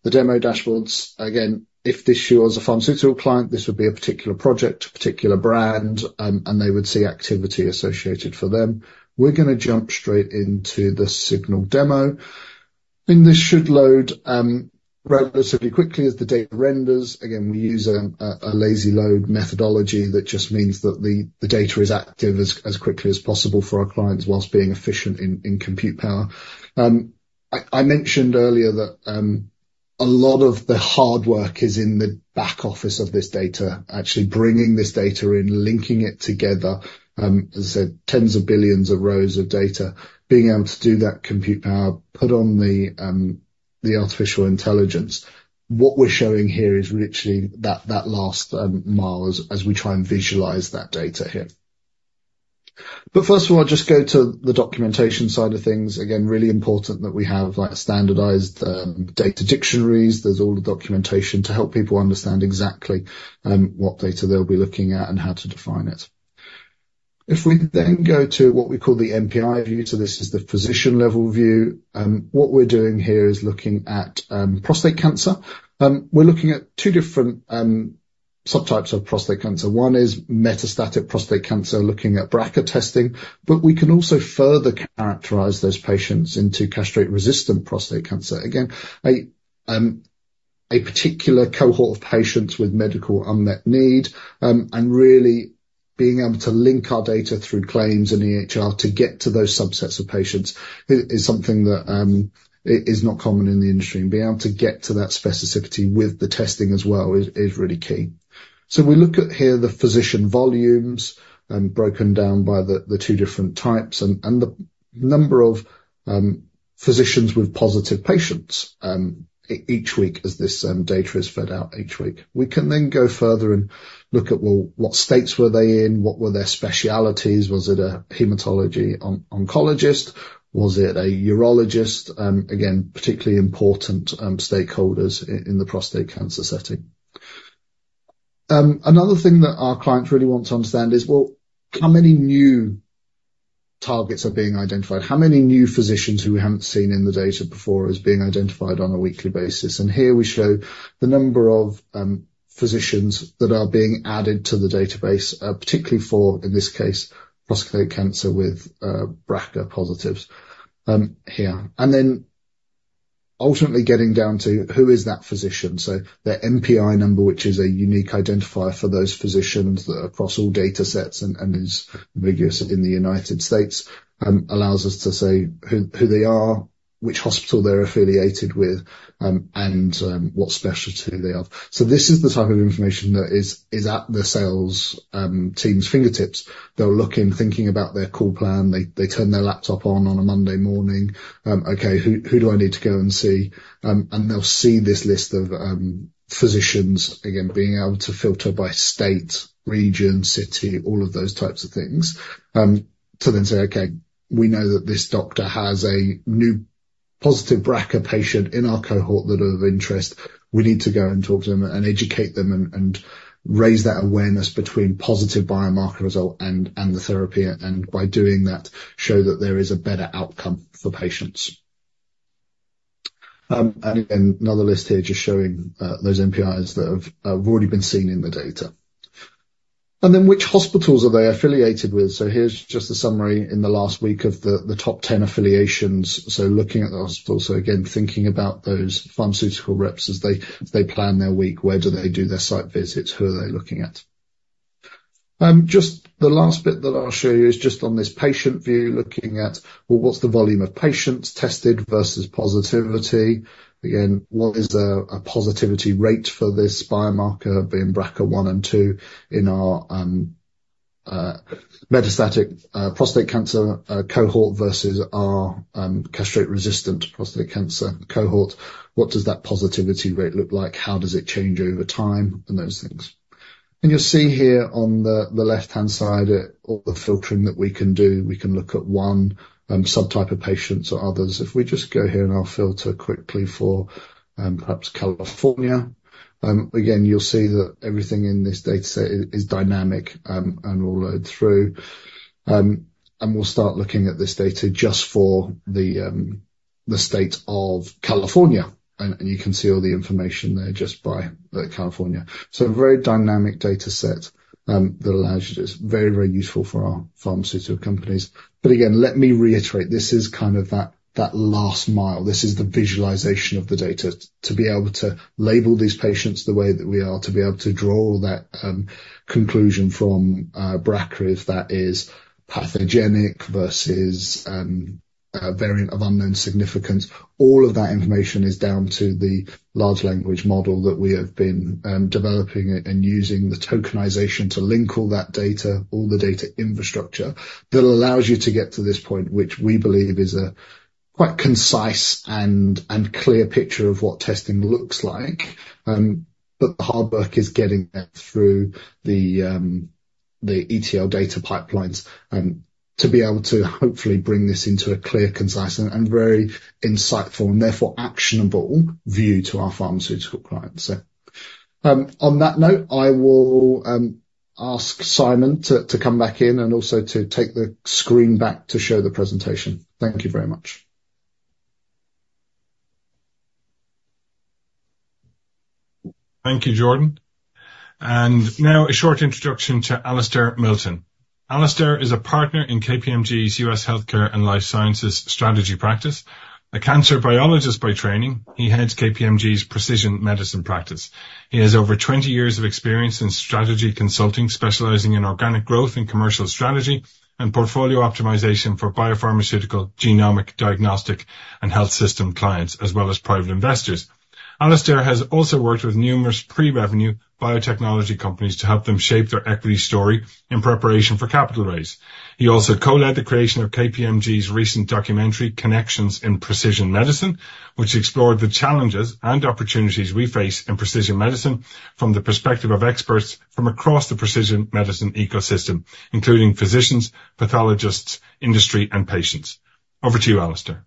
the demo dashboards, again, if this is you as a pharmaceutical client, this would be a particular project, a particular brand, and they would see activity associated for them. We're going to jump straight into the Signal demo. I think this should load relatively quickly as the data renders. Again, we use a lazy load methodology that just means that the data is active as quickly as possible for our clients while being efficient in compute power. I mentioned earlier that a lot of the hard work is in the back office of this data, actually bringing this data in, linking it together. As I said, tens of billions of rows of data, being able to do that compute power, put on the artificial intelligence. What we're showing here is literally that last mile as we try and visualize that data here. But first of all, I'll just go to the documentation side of things. Again, really important that we have standardized data dictionaries. There's all the documentation to help people understand exactly what data they'll be looking at and how to define it. If we then go to what we call the NPI view, so this is the physician-level view, what we're doing here is looking at prostate cancer. We're looking at two different subtypes of prostate cancer. One is metastatic prostate cancer, looking at BRCA testing, but we can also further characterize those patients into castrate-resistant prostate cancer. Again, a particular cohort of patients with medical unmet need and really being able to link our data through claims and EHR to get to those subsets of patients is something that is not common in the industry. Being able to get to that specificity with the testing as well is really key. So we look at here the physician volumes broken down by the two different types and the number of physicians with positive patients each week as this data is fed out each week. We can then go further and look at, well, what states were they in? What were their specialties? Was it a hematology oncologist? Was it a urologist? Again, particularly important stakeholders in the prostate cancer setting. Another thing that our clients really want to understand is, well, how many new targets are being identified? How many new physicians who we haven't seen in the data before are being identified on a weekly basis? And here we show the number of physicians that are being added to the database, particularly for, in this case, prostate cancer with BRCA positives here. And then ultimately getting down to who is that physician? So their NPI number, which is a unique identifier for those physicians across all data sets and is unambiguous in the United States, allows us to say who they are, which hospital they're affiliated with, and what specialty they have. So this is the type of information that is at the sales team's fingertips. They'll look in thinking about their call plan. They turn their laptop on on a Monday morning. Okay, who do I need to go and see? And they'll see this list of physicians, again, being able to filter by state, region, city, all of those types of things to then say, okay, we know that this doctor has a new positive BRCA patient in our cohort that are of interest. We need to go and talk to them and educate them and raise that awareness between positive biomarker result and the therapy and by doing that show that there is a better outcome for patients. And again, another list here just showing those NPIs that have already been seen in the data. And then which hospitals are they affiliated with? So here's just a summary in the last week of the top 10 affiliations. So looking at the hospitals, so again, thinking about those pharmaceutical reps as they plan their week, where do they do their site visits, who are they looking at? Just the last bit that I'll show you is just on this patient view, looking at, well, what's the volume of patients tested versus positivity? Again, what is a positivity rate for this biomarker being BRCA1 and 2 in our metastatic prostate cancer cohort versus our castrate-resistant prostate cancer cohort? What does that positivity rate look like? How does it change over time and those things? And you'll see here on the left-hand side all the filtering that we can do. We can look at one subtype of patients or others. If we just go here and I'll filter quickly for perhaps California, again, you'll see that everything in this data set is dynamic and will load through. And we'll start looking at this data just for the state of California. And you can see all the information there just by California. So a very dynamic data set that allows you to it's very, very useful for our pharmaceutical companies. But again, let me reiterate, this is kind of that last mile. This is the visualization of the data to be able to label these patients the way that we are, to be able to draw that conclusion from BRCA if that is pathogenic versus a variant of unknown significance. All of that information is down to the large language model that we have been developing and using the tokenization to link all that data, all the data infrastructure that allows you to get to this point, which we believe is a quite concise and clear picture of what testing looks like. But the hard work is getting that through the ETL data pipelines to be able to hopefully bring this into a clear, concise, and very insightful, and therefore actionable view to our pharmaceutical clients. On that note, I will ask Simon to come back in and also to take the screen back to show the presentation. Thank you very much. Thank you, Jordan. And now a short introduction to Alasdair Milton. Alasdair is a partner in KPMG's U.S. Healthcare and Life Sciences strategy practice. A cancer biologist by training, he heads KPMG's precision medicine practice. He has over 20 years of experience in strategy consulting, specializing in organic growth and commercial strategy and portfolio optimization for biopharmaceutical, genomic, diagnostic, and health system clients, as well as private investors. Alasdair has also worked with numerous pre-revenue biotechnology companies to help them shape their equity story in preparation for capital raise. He also co-led the creation of KPMG's recent documentary, Connections in Precision Medicine, which explored the challenges and opportunities we face in precision medicine from the perspective of experts from across the precision medicine ecosystem, including physicians, pathologists, industry, and patients. Over to you, Alasdair.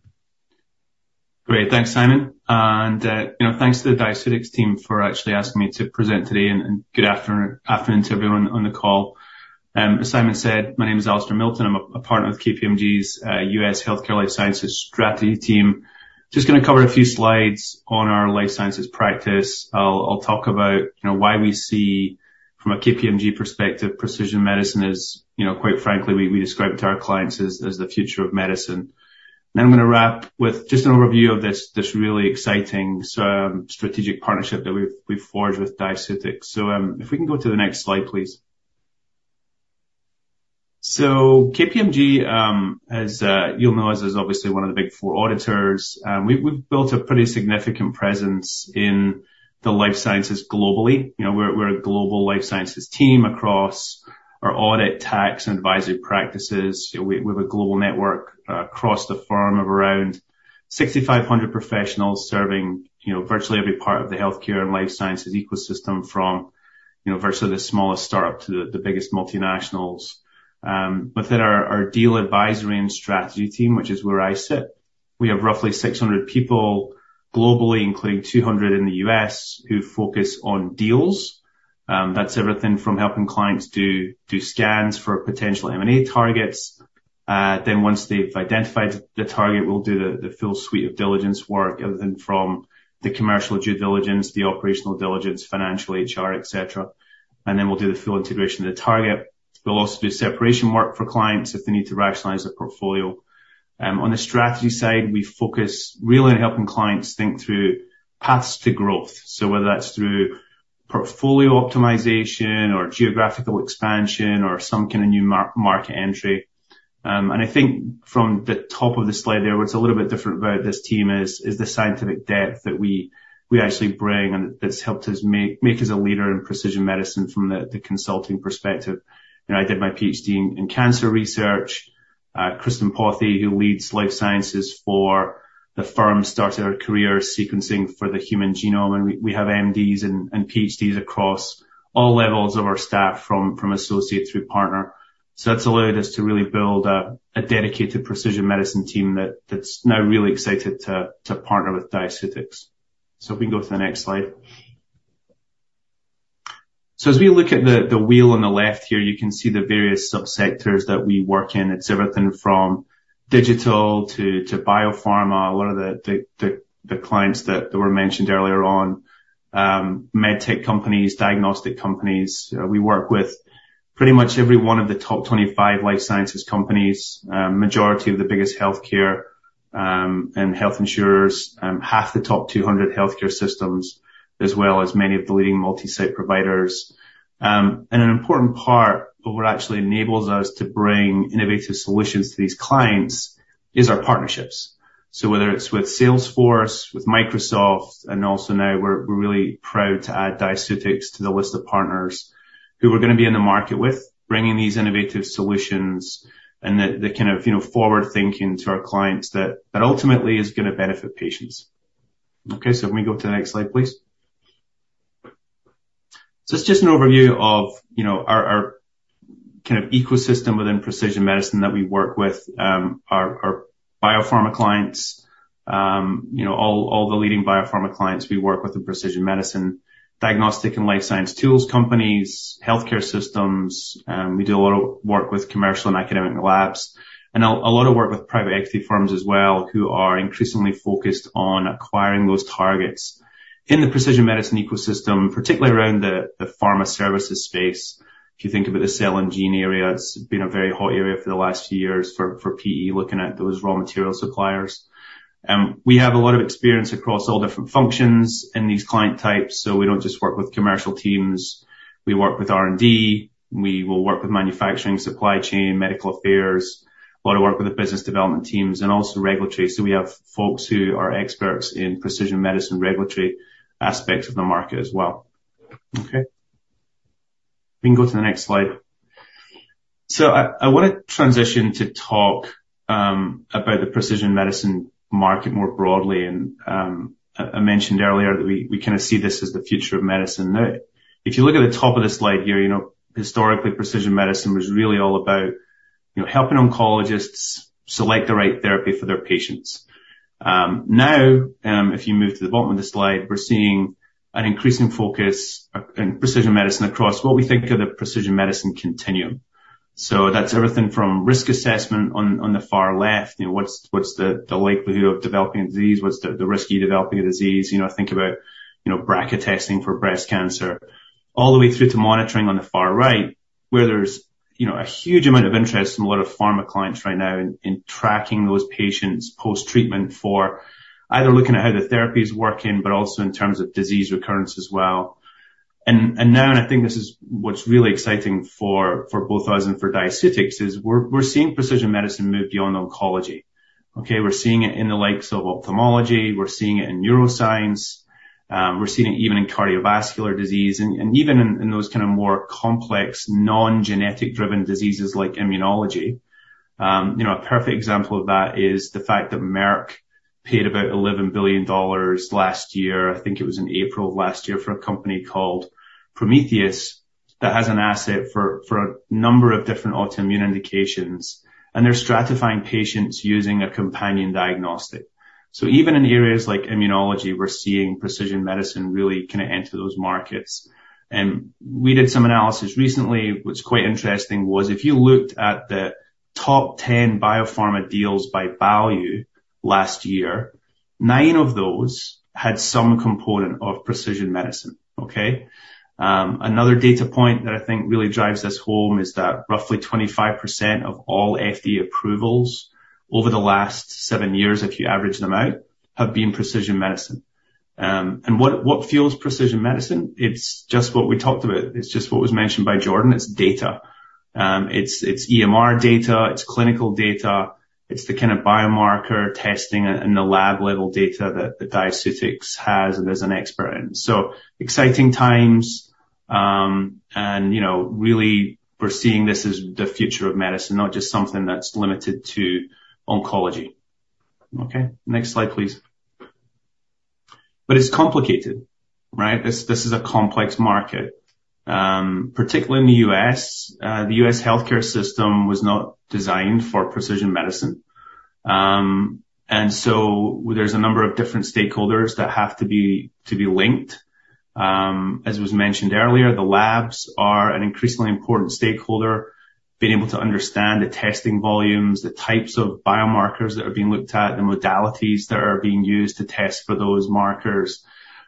Great. Thanks, Simon. And thanks to the Diaceutics team for actually asking me to present today. Good afternoon to everyone on the call. As Simon said, my name is Alasdair Milton. I'm a Partner with KPMG's U.S. Healthcare and Life Sciences strategy team. Just going to cover a few slides on our life sciences practice. I'll talk about why we see, from a KPMG perspective, precision medicine as, quite frankly, we describe it to our clients as the future of medicine. Then I'm going to wrap with just an overview of this really exciting strategic partnership that we've forged with Diaceutics. If we can go to the next slide, please. KPMG, as you'll know, is obviously one of the Big Four auditors. We've built a pretty significant presence in the life sciences globally. We're a global life sciences team across our audit, tax, and advisory practices. We have a global network across the firm of around 6,500 professionals serving virtually every part of the healthcare and life sciences ecosystem, from virtually the smallest startup to the biggest multinationals. Within our deal, advisory, and strategy team, which is where I sit, we have roughly 600 people globally, including 200 in the U.S., who focus on deals. That's everything from helping clients do scans for potential M&A targets. Then once they've identified the target, we'll do the full suite of diligence work, everything from the commercial due diligence, the operational diligence, financial HR, etc. Then we'll do the full integration of the target. We'll also do separation work for clients if they need to rationalize their portfolio. On the strategy side, we focus really on helping clients think through paths to growth. So whether that's through portfolio optimization or geographical expansion or some kind of new market entry. And I think from the top of the slide there, what's a little bit different about this team is the scientific depth that we actually bring and that's helped us make us a leader in precision medicine from the consulting perspective. I did my PhD in cancer research. Kristin Pothier, who leads life sciences for the firm, started her career sequencing for the human genome. And we have MDs and PhDs across all levels of our staff, from associate through partner. So that's allowed us to really build a dedicated precision medicine team that's now really excited to partner with Diaceutics. So if we can go to the next slide. So as we look at the wheel on the left here, you can see the various subsectors that we work in. It's everything from digital to biopharma, a lot of the clients that were mentioned earlier on, medtech companies, diagnostic companies. We work with pretty much every one of the top 25 life sciences companies, majority of the biggest healthcare and health insurers, half the top 200 healthcare systems, as well as many of the leading multi-site providers. An important part of what actually enables us to bring innovative solutions to these clients is our partnerships. Whether it's with Salesforce, with Microsoft, and also now we're really proud to add Diaceutics to the list of partners who we're going to be in the market with, bringing these innovative solutions and the kind of forward-thinking to our clients that ultimately is going to benefit patients. Okay, so if we can go to the next slide, please. So it's just an overview of our kind of ecosystem within precision medicine that we work with, our biopharma clients, all the leading biopharma clients we work with in precision medicine, diagnostic and life science tools companies, healthcare systems. We do a lot of work with commercial and academic labs, and a lot of work with private equity firms as well, who are increasingly focused on acquiring those targets in the precision medicine ecosystem, particularly around the pharma services space. If you think about the cell and gene area, it's been a very hot area for the last few years for PE looking at those raw material suppliers. We have a lot of experience across all different functions in these client types. So we don't just work with commercial teams. We work with R&D. We will work with manufacturing, supply chain, medical affairs, a lot of work with the business development teams, and also regulatory. So we have folks who are experts in precision medicine regulatory aspects of the market as well. Okay. We can go to the next slide. So I want to transition to talk about the precision medicine market more broadly. And I mentioned earlier that we kind of see this as the future of medicine. If you look at the top of the slide here, historically, precision medicine was really all about helping oncologists select the right therapy for their patients. Now, if you move to the bottom of the slide, we're seeing an increasing focus in precision medicine across what we think of the precision medicine continuum. So that's everything from risk assessment on the far left, what's the likelihood of developing a disease, what's the risk you develop a disease, think about BRCA testing for breast cancer, all the way through to monitoring on the far right, where there's a huge amount of interest from a lot of pharma clients right now in tracking those patients post-treatment for either looking at how the therapy is working, but also in terms of disease recurrence as well. And now, and I think this is what's really exciting for both of us and for Diaceutics, is we're seeing precision medicine move beyond oncology. Okay, we're seeing it in the likes of ophthalmology. We're seeing it in neuroscience. We're seeing it even in cardiovascular disease, and even in those kind of more complex non-genetic-driven diseases like immunology. A perfect example of that is the fact that Merck paid about $11 billion last year. I think it was in April of last year for a company called Prometheus that has an asset for a number of different autoimmune indications, and they're stratifying patients using a companion diagnostic. So even in areas like immunology, we're seeing precision medicine really kind of enter those markets. And we did some analysis recently. What's quite interesting was if you looked at the top 10 biopharma deals by value last year, nine of those had some component of precision medicine. Okay? Another data point that I think really drives this home is that roughly 25% of all FDA approvals over the last seven years, if you average them out, have been precision medicine. And what fuels precision medicine? It's just what we talked about. It's just what was mentioned by Jordan. It's data. It's EMR data. It's clinical data. It's the kind of biomarker testing and the lab-level data that Diaceutics has and is an expert in. So exciting times. And really, we're seeing this as the future of medicine, not just something that's limited to oncology. Okay? Next slide, please. But it's complicated, right? This is a complex market, particularly in the U.S. The U.S. healthcare system was not designed for precision medicine. And so there's a number of different stakeholders that have to be linked. As was mentioned earlier, the labs are an increasingly important stakeholder, being able to understand the testing volumes, the types of biomarkers that are being looked at, the modalities that are being used to test for those markers.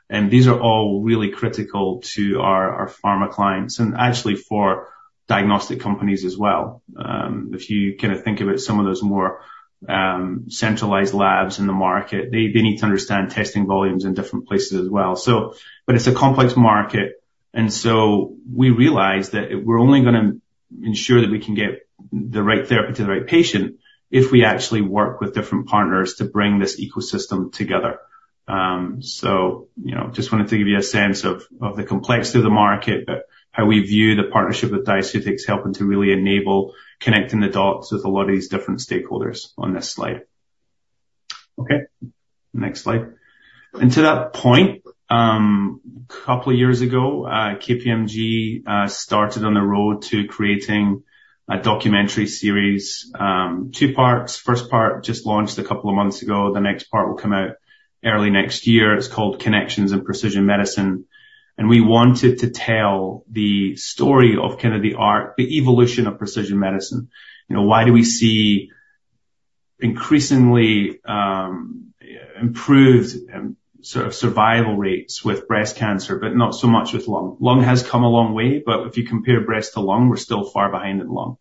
And these are all really critical to our pharma clients and actually for diagnostic companies as well. If you kind of think about some of those more centralized labs in the market, they need to understand testing volumes in different places as well. But it's a complex market. And so we realize that we're only going to ensure that we can get the right therapy to the right patient if we actually work with different partners to bring this ecosystem together. So just wanted to give you a sense of the complexity of the market, but how we view the partnership with Diaceutics helping to really enable connecting the dots with a lot of these different stakeholders on this slide. Okay. Next slide. And to that point, a couple of years ago, KPMG started on the road to creating a documentary series. Two parts. First part just launched a couple of months ago. The next part will come out early next year. It's called Connections in Precision Medicine. We wanted to tell the story of kind of the evolution of precision medicine. Why do we see increasingly improved sort of survival rates with breast cancer, but not so much with lung? Lung has come a long way, but if you compare breast to lung, we're still far behind in lung.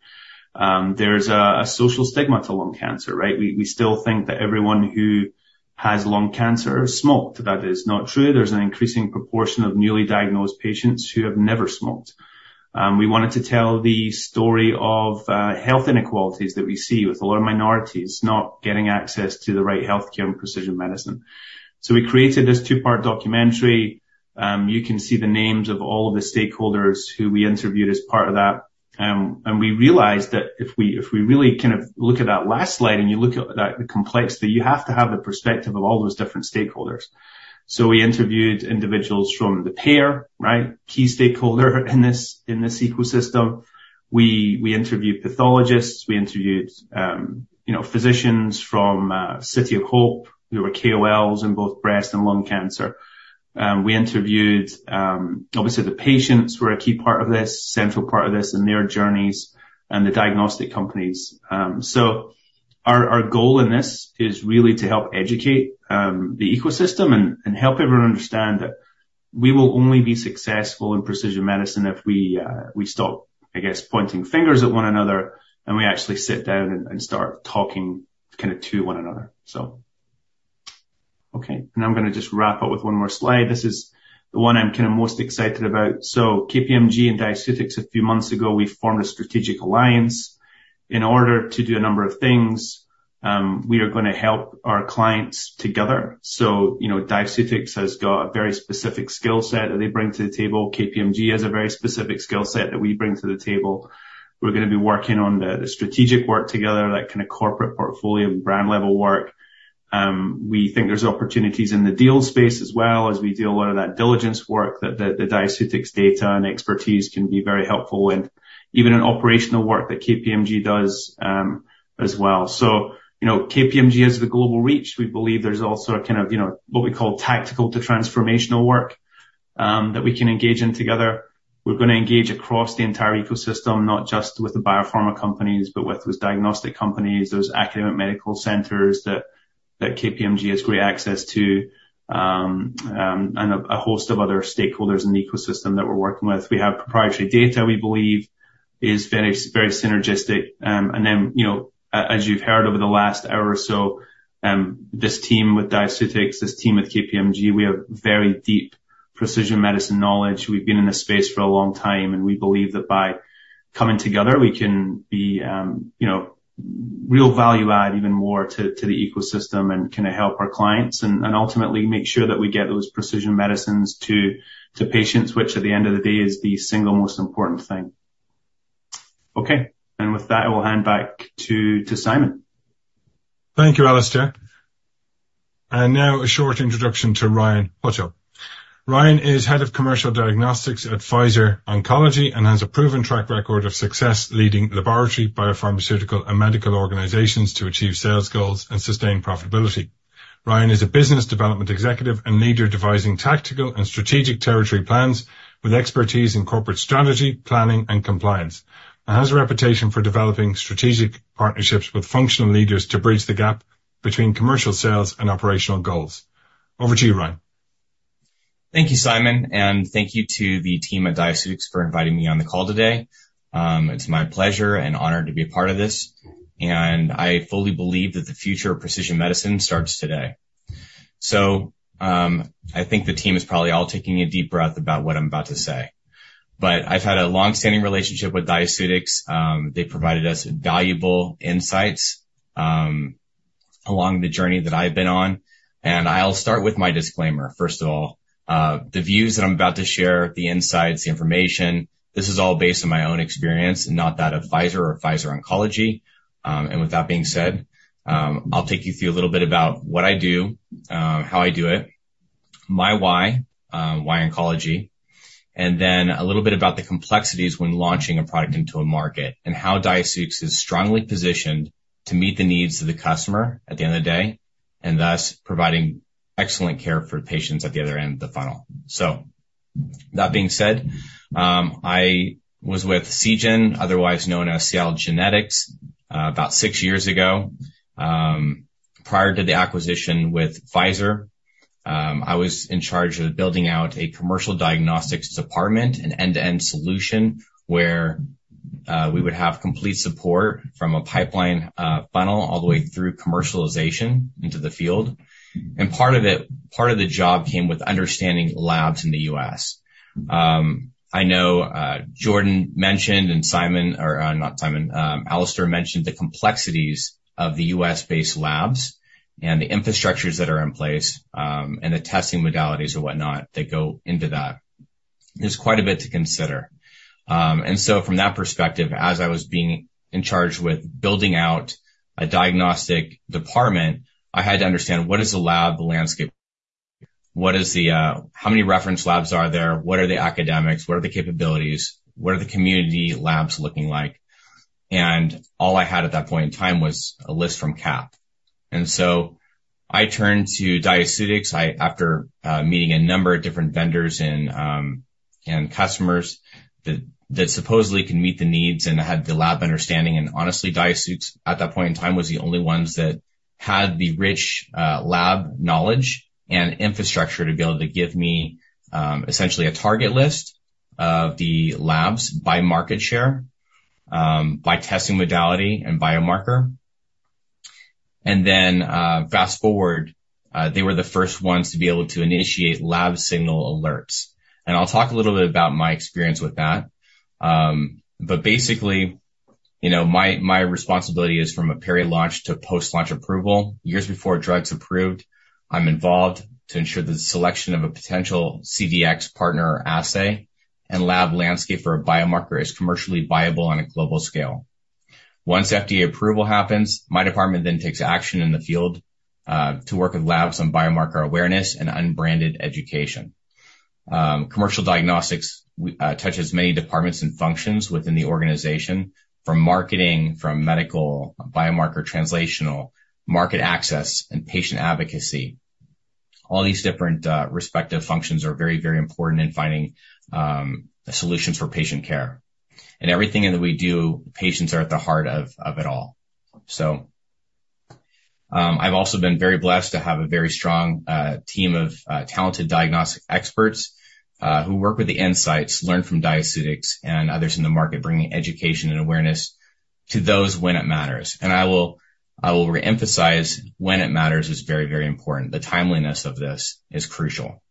There's a social stigma to lung cancer, right? We still think that everyone who has lung cancer smoked. That is not true. There's an increasing proportion of newly diagnosed patients who have never smoked. We wanted to tell the story of health inequalities that we see with a lot of minorities not getting access to the right healthcare and precision medicine. We created this two-part documentary. You can see the names of all of the stakeholders who we interviewed as part of that. We realized that if we really kind of look at that last slide and you look at the complexity, you have to have the perspective of all those different stakeholders. So we interviewed individuals from the payer, right? Key stakeholder in this ecosystem. We interviewed pathologists. We interviewed physicians from City of Hope, who were KOLs in both breast and lung cancer. We interviewed, obviously, the patients, who are a key part of this, central part of this, and their journeys, and the diagnostic companies. So our goal in this is really to help educate the ecosystem and help everyone understand that we will only be successful in precision medicine if we stop, I guess, pointing fingers at one another and we actually sit down and start talking kind of to one another, so. Okay. And I'm going to just wrap up with one more slide. This is the one I'm kind of most excited about. So KPMG and Diaceutics, a few months ago, we formed a strategic alliance in order to do a number of things. We are going to help our clients together. So Diaceutics has got a very specific skill set that they bring to the table. KPMG has a very specific skill set that we bring to the table. We're going to be working on the strategic work together, that kind of corporate portfolio and brand-level work. We think there's opportunities in the deal space as well, as we do a lot of that diligence work that the Diaceutics data and expertise can be very helpful in, even in operational work that KPMG does as well. So KPMG has the global reach. We believe there's also a kind of what we call tactical to transformational work that we can engage in together. We're going to engage across the entire ecosystem, not just with the biopharma companies, but with those diagnostic companies, those academic medical centers that KPMG has great access to, and a host of other stakeholders in the ecosystem that we're working with. We have proprietary data, we believe, is very synergistic. Then, as you've heard over the last hour or so, this team with Diaceutics, this team with KPMG, we have very deep precision medicine knowledge. We've been in this space for a long time, and we believe that by coming together, we can be real value-add even more to the ecosystem and kind of help our clients and ultimately make sure that we get those precision medicines to patients, which at the end of the day is the single most important thing. Okay. And with that, I will hand back to Simon. Thank you, Alasdair. Now a short introduction to Ryan Hutto. Ryan is Head of Commercial Diagnostics at Pfizer Oncology and has a proven track record of success leading laboratory, biopharmaceutical, and medical organizations to achieve sales goals and sustain profitability. Ryan is a business development executive and leader devising tactical and strategic territory plans with expertise in corporate strategy, planning, and compliance, and has a reputation for developing strategic partnerships with functional leaders to bridge the gap between commercial sales and operational goals. Over to you, Ryan. Thank you, Simon. Thank you to the team at Diaceutics for inviting me on the call today. It's my pleasure and honor to be a part of this. I fully believe that the future of precision medicine starts today. I think the team is probably all taking a deep breath about what I'm about to say. But I've had a long-standing relationship with Diaceutics. They've provided us valuable insights along the journey that I've been on. I'll start with my disclaimer, first of all. The views that I'm about to share, the insights, the information, this is all based on my own experience and not that of Pfizer or Pfizer Oncology. With that being said, I'll take you through a little bit about what I do, how I do it, my why, why oncology, and then a little bit about the complexities when launching a product into a market and how Diaceutics is strongly positioned to meet the needs of the customer at the end of the day, and thus providing excellent care for patients at the other end of the funnel. That being said, I was with Seagen, otherwise known as Seattle Genetics, about 6 years ago. Prior to the acquisition with Pfizer, I was in charge of building out a commercial diagnostics department, an end-to-end solution where we would have complete support from a pipeline funnel all the way through commercialization into the field. Part of the job came with understanding labs in the U.S. I know Jordan mentioned, and Simon or not Simon, Alasdair mentioned the complexities of the U.S.-based labs and the infrastructures that are in place and the testing modalities or whatnot that go into that. There's quite a bit to consider. From that perspective, as I was being in charge with building out a diagnostic department, I had to understand what is the lab landscape, how many reference labs are there, what are the academics, what are the capabilities, what are the community labs looking like. All I had at that point in time was a list from CAP. So I turned to Diaceutics after meeting a number of different vendors and customers that supposedly can meet the needs and had the lab understanding. Honestly, Diaceutics at that point in time was the only ones that had the rich lab knowledge and infrastructure to be able to give me essentially a target list of the labs by market share, by testing modality, and biomarker. Then fast forward, they were the first ones to be able to initiate lab Signal alerts. I'll talk a little bit about my experience with that. But basically, my responsibility is from a peri-launch to post-launch approval. Years before a drug's approved, I'm involved to ensure the selection of a potential CDx partner assay and lab landscape for a biomarker is commercially viable on a global scale. Once FDA approval happens, my department then takes action in the field to work with labs on biomarker awareness and unbranded education. Commercial diagnostics touches many departments and functions within the organization, from marketing, from medical, biomarker translational, market access, and patient advocacy. All these different respective functions are very, very important in finding solutions for patient care. And everything that we do, patients are at the heart of it all. So I've also been very blessed to have a very strong team of talented diagnostic experts who work with the insights, learn from Diaceutics, and others in the market, bringing education and awareness to those when it matters. And I will reemphasize when it matters is very, very important. The timeliness of this is crucial.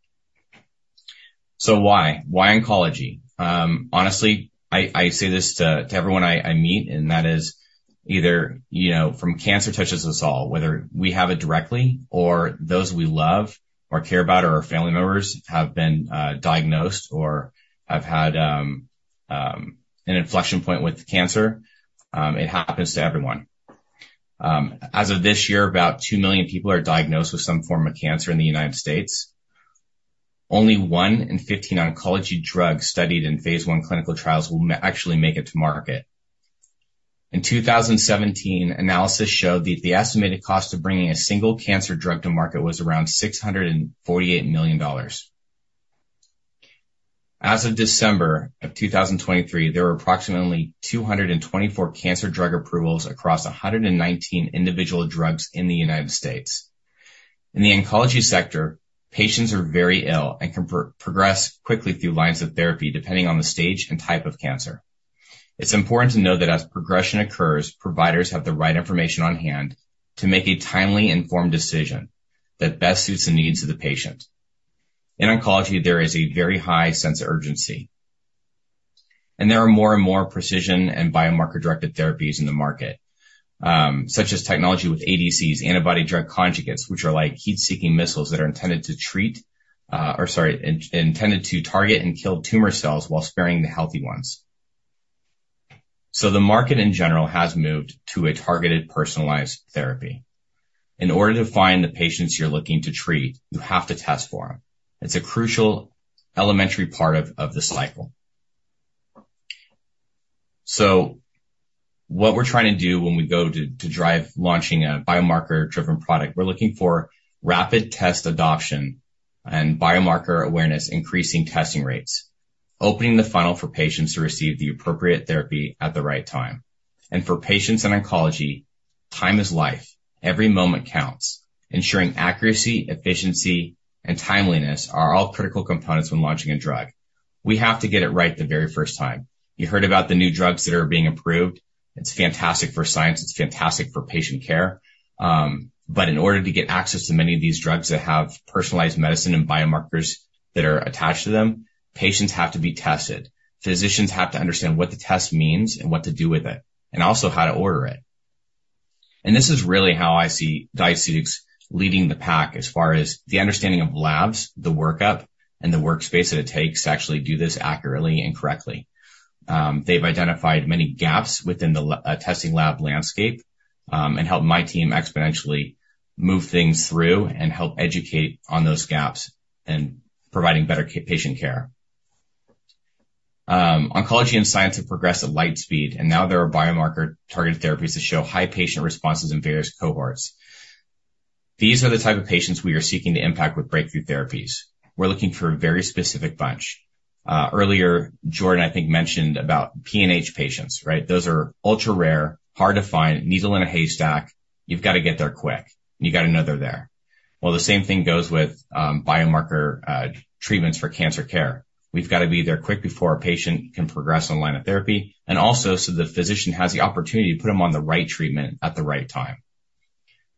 So why? Why oncology? Honestly, I say this to everyone I meet, and that is either from cancer touches us all, whether we have it directly or those we love or care about or our family members have been diagnosed or have had an inflection point with cancer. It happens to everyone. As of this year, about two million people are diagnosed with some form of cancer in the United States. Only one in 15 oncology drugs studied in phase one clinical trials will actually make it to market. In 2017, analysis showed that the estimated cost of bringing a single cancer drug to market was around $648 million. As of December of 2023, there were approximately 224 cancer drug approvals across 119 individual drugs in the United States. In the oncology sector, patients are very ill and can progress quickly through lines of therapy, depending on the stage and type of cancer. It's important to note that as progression occurs, providers have the right information on hand to make a timely, informed decision that best suits the needs of the patient. In oncology, there is a very high sense of urgency. There are more and more precision and biomarker-directed therapies in the market, such as technology with ADCs, antibody-drug conjugates, which are like heat-seeking missiles that are intended to treat or, sorry, intended to target and kill tumor cells while sparing the healthy ones. The market in general has moved to a targeted personalized therapy. In order to find the patients you're looking to treat, you have to test for them. It's a crucial elementary part of the cycle. So what we're trying to do when we go to drive launching a biomarker-driven product, we're looking for rapid test adoption and biomarker awareness, increasing testing rates, opening the funnel for patients to receive the appropriate therapy at the right time. And for patients in oncology, time is life. Every moment counts. Ensuring accuracy, efficiency, and timeliness are all critical components when launching a drug. We have to get it right the very first time. You heard about the new drugs that are being approved. It's fantastic for science. It's fantastic for patient care. But in order to get access to many of these drugs that have personalized medicine and biomarkers that are attached to them, patients have to be tested. Physicians have to understand what the test means and what to do with it, and also how to order it. This is really how I see Diaceutics leading the pack as far as the understanding of labs, the workup, and the workspace that it takes to actually do this accurately and correctly. They've identified many gaps within the testing lab landscape and helped my team exponentially move things through and help educate on those gaps and providing better patient care. Oncology and science have progressed at light speed, and now there are biomarker-targeted therapies that show high patient responses in various cohorts. These are the type of patients we are seeking to impact with breakthrough therapies. We're looking for a very specific bunch. Earlier, Jordan, I think, mentioned about PNH patients, right? Those are ultra-rare, hard to find, needle in a haystack. You've got to get there quick. You got to know they're there. Well, the same thing goes with biomarker treatments for cancer care. We've got to be there quick before a patient can progress on line of therapy, and also so the physician has the opportunity to put them on the right treatment at the right time.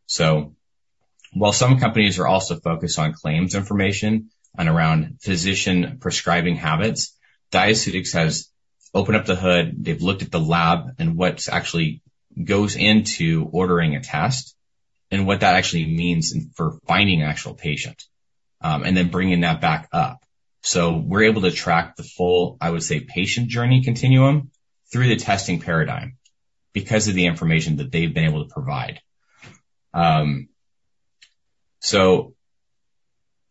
So while some companies are also focused on claims information and around physician prescribing habits, Diaceutics has opened up the hood. They've looked at the lab and what actually goes into ordering a test and what that actually means for finding an actual patient and then bringing that back up. So we're able to track the full, I would say, patient journey continuum through the testing paradigm because of the information that they've been able to provide. So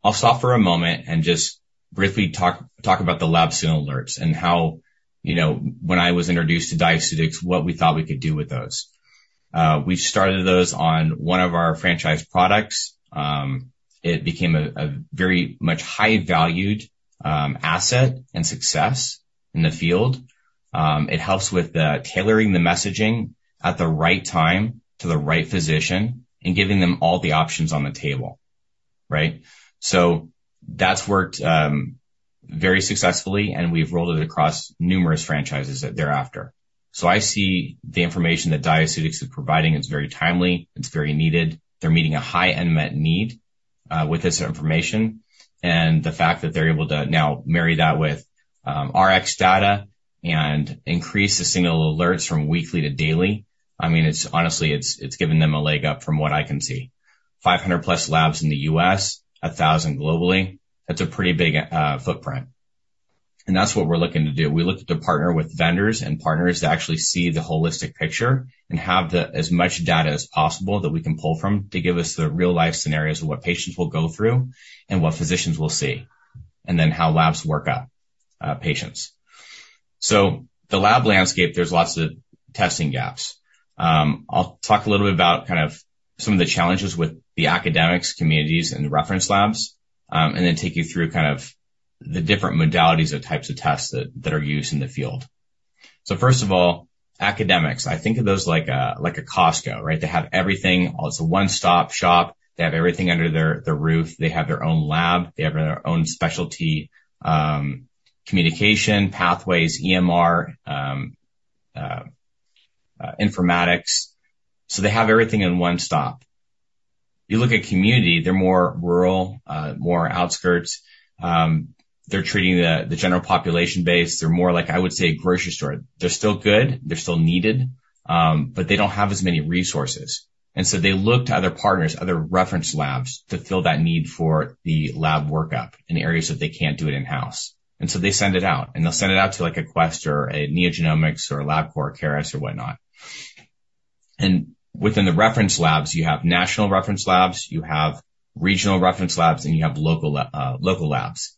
I'll stop for a moment and just briefly talk about the lab Signal alerts and how, when I was introduced to Diaceutics, what we thought we could do with those. We started those on one of our franchise products. It became a very much high-valued asset and success in the field. It helps with tailoring the messaging at the right time to the right physician and giving them all the options on the table, right? So that's worked very successfully, and we've rolled it across numerous franchises thereafter. So I see the information that Diaceutics is providing is very timely. It's very needed. They're meeting a high unmet need with this information. And the fact that they're able to now marry that with Rx Data and increase the Signal alerts from weekly to daily, I mean, honestly, it's given them a leg up from what I can see. 500+ labs in the U.S., 1,000 globally. That's a pretty big footprint. And that's what we're looking to do. We look to partner with vendors and partners to actually see the holistic picture and have as much data as possible that we can pull from to give us the real-life scenarios of what patients will go through and what physicians will see and then how labs work up patients. So the lab landscape, there's lots of testing gaps. I'll talk a little bit about kind of some of the challenges with the academics, communities, and the reference labs, and then take you through kind of the different modalities or types of tests that are used in the field. So first of all, academics, I think of those like a Costco, right? They have everything. It's a one-stop shop. They have everything under their roof. They have their own lab. They have their own specialty communication pathways, EMR, informatics. So they have everything in one stop. You look at community; they're more rural, more outskirts. They're treating the general population base. They're more like, I would say, a grocery store. They're still good. They're still needed, but they don't have as many resources. So they look to other partners, other reference labs to fill that need for the lab workup in areas that they can't do it in-house. So they send it out, and they'll send it out to a Quest or a NeoGenomics or LabCorp or Caris or whatnot. Within the reference labs, you have national reference labs, you have regional reference labs, and you have local labs.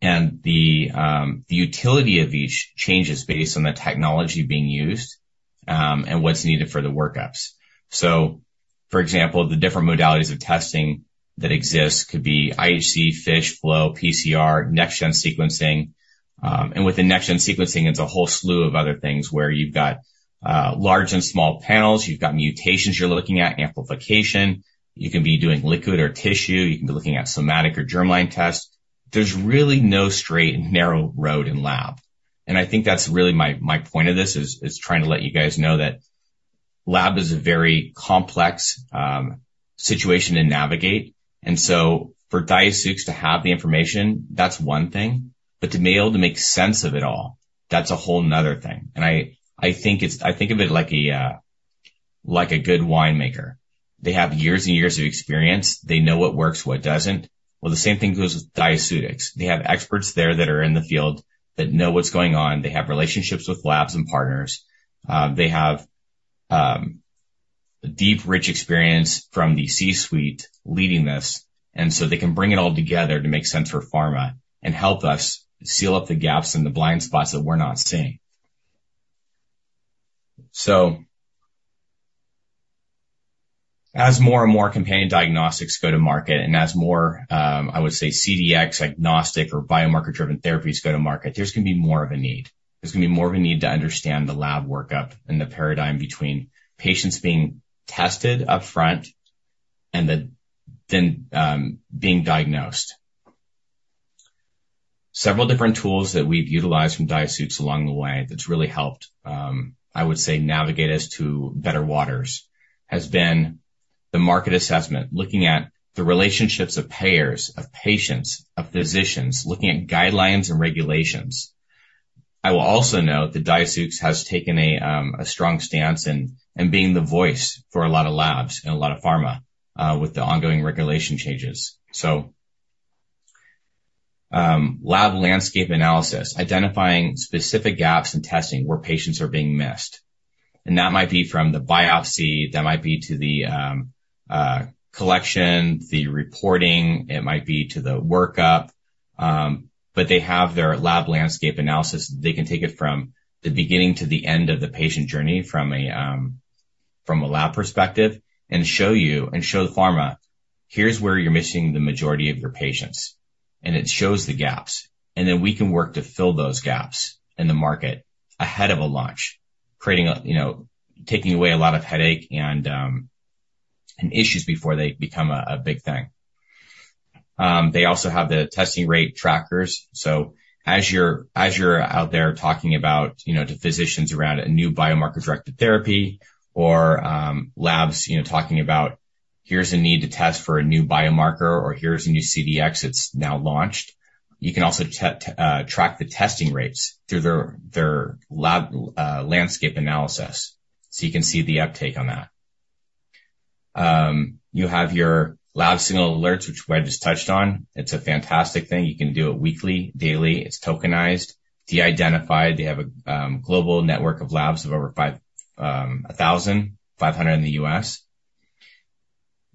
The utility of each changes based on the technology being used and what's needed for the workups. So for example, the different modalities of testing that exist could be IHC, FISH, Flow, PCR, next-gen sequencing. Within next-gen sequencing, it's a whole slew of other things where you've got large and small panels. You've got mutations you're looking at, amplification. You can be doing liquid or tissue. You can be looking at somatic or germline tests. There's really no straight and narrow road in lab. And I think that's really my point of this is trying to let you guys know that lab is a very complex situation to navigate. And so for Diaceutics to have the information, that's one thing. But to be able to make sense of it all, that's a whole nother thing. And I think of it like a good winemaker. They have years and years of experience. They know what works, what doesn't. Well, the same thing goes with Diaceutics. They have experts there that are in the field that know what's going on. They have relationships with labs and partners. They have deep, rich experience from the C-suite leading this. So they can bring it all together to make sense for pharma and help us seal up the gaps and the blind spots that we're not seeing. So as more and more companion diagnostics go to market and as more, I would say, CDx-agnostic or biomarker-driven therapies go to market, there's going to be more of a need. There's going to be more of a need to understand the lab workup and the paradigm between patients being tested upfront and then being diagnosed. Several different tools that we've utilized from Diaceutics along the way that's really helped, I would say, navigate us to better waters has been the market assessment, looking at the relationships of payers, of patients, of physicians, looking at guidelines and regulations. I will also note that Diaceutics has taken a strong stance in being the voice for a lot of labs and a lot of pharma with the ongoing regulation changes. So lab landscape analysis, identifying specific gaps in testing where patients are being missed. And that might be from the biopsy. That might be to the collection, the reporting. It might be to the workup. But they have their lab landscape analysis. They can take it from the beginning to the end of the patient journey from a lab perspective and show you and show the pharma, "Here's where you're missing the majority of your patients." And it shows the gaps. And then we can work to fill those gaps in the market ahead of a launch, taking away a lot of headache and issues before they become a big thing. They also have the testing rate trackers. So as you're out there talking about to physicians around a new biomarker-directed therapy or labs talking about, "Here's a need to test for a new biomarker or here's a new CDx that's now launched," you can also track the testing rates through their lab landscape analysis. So you can see the uptake on that. You have your lab Signal alerts, which I just touched on. It's a fantastic thing. You can do it weekly, daily. It's tokenized, de-identified. They have a global network of labs of over 1,000, 500 in the U.S.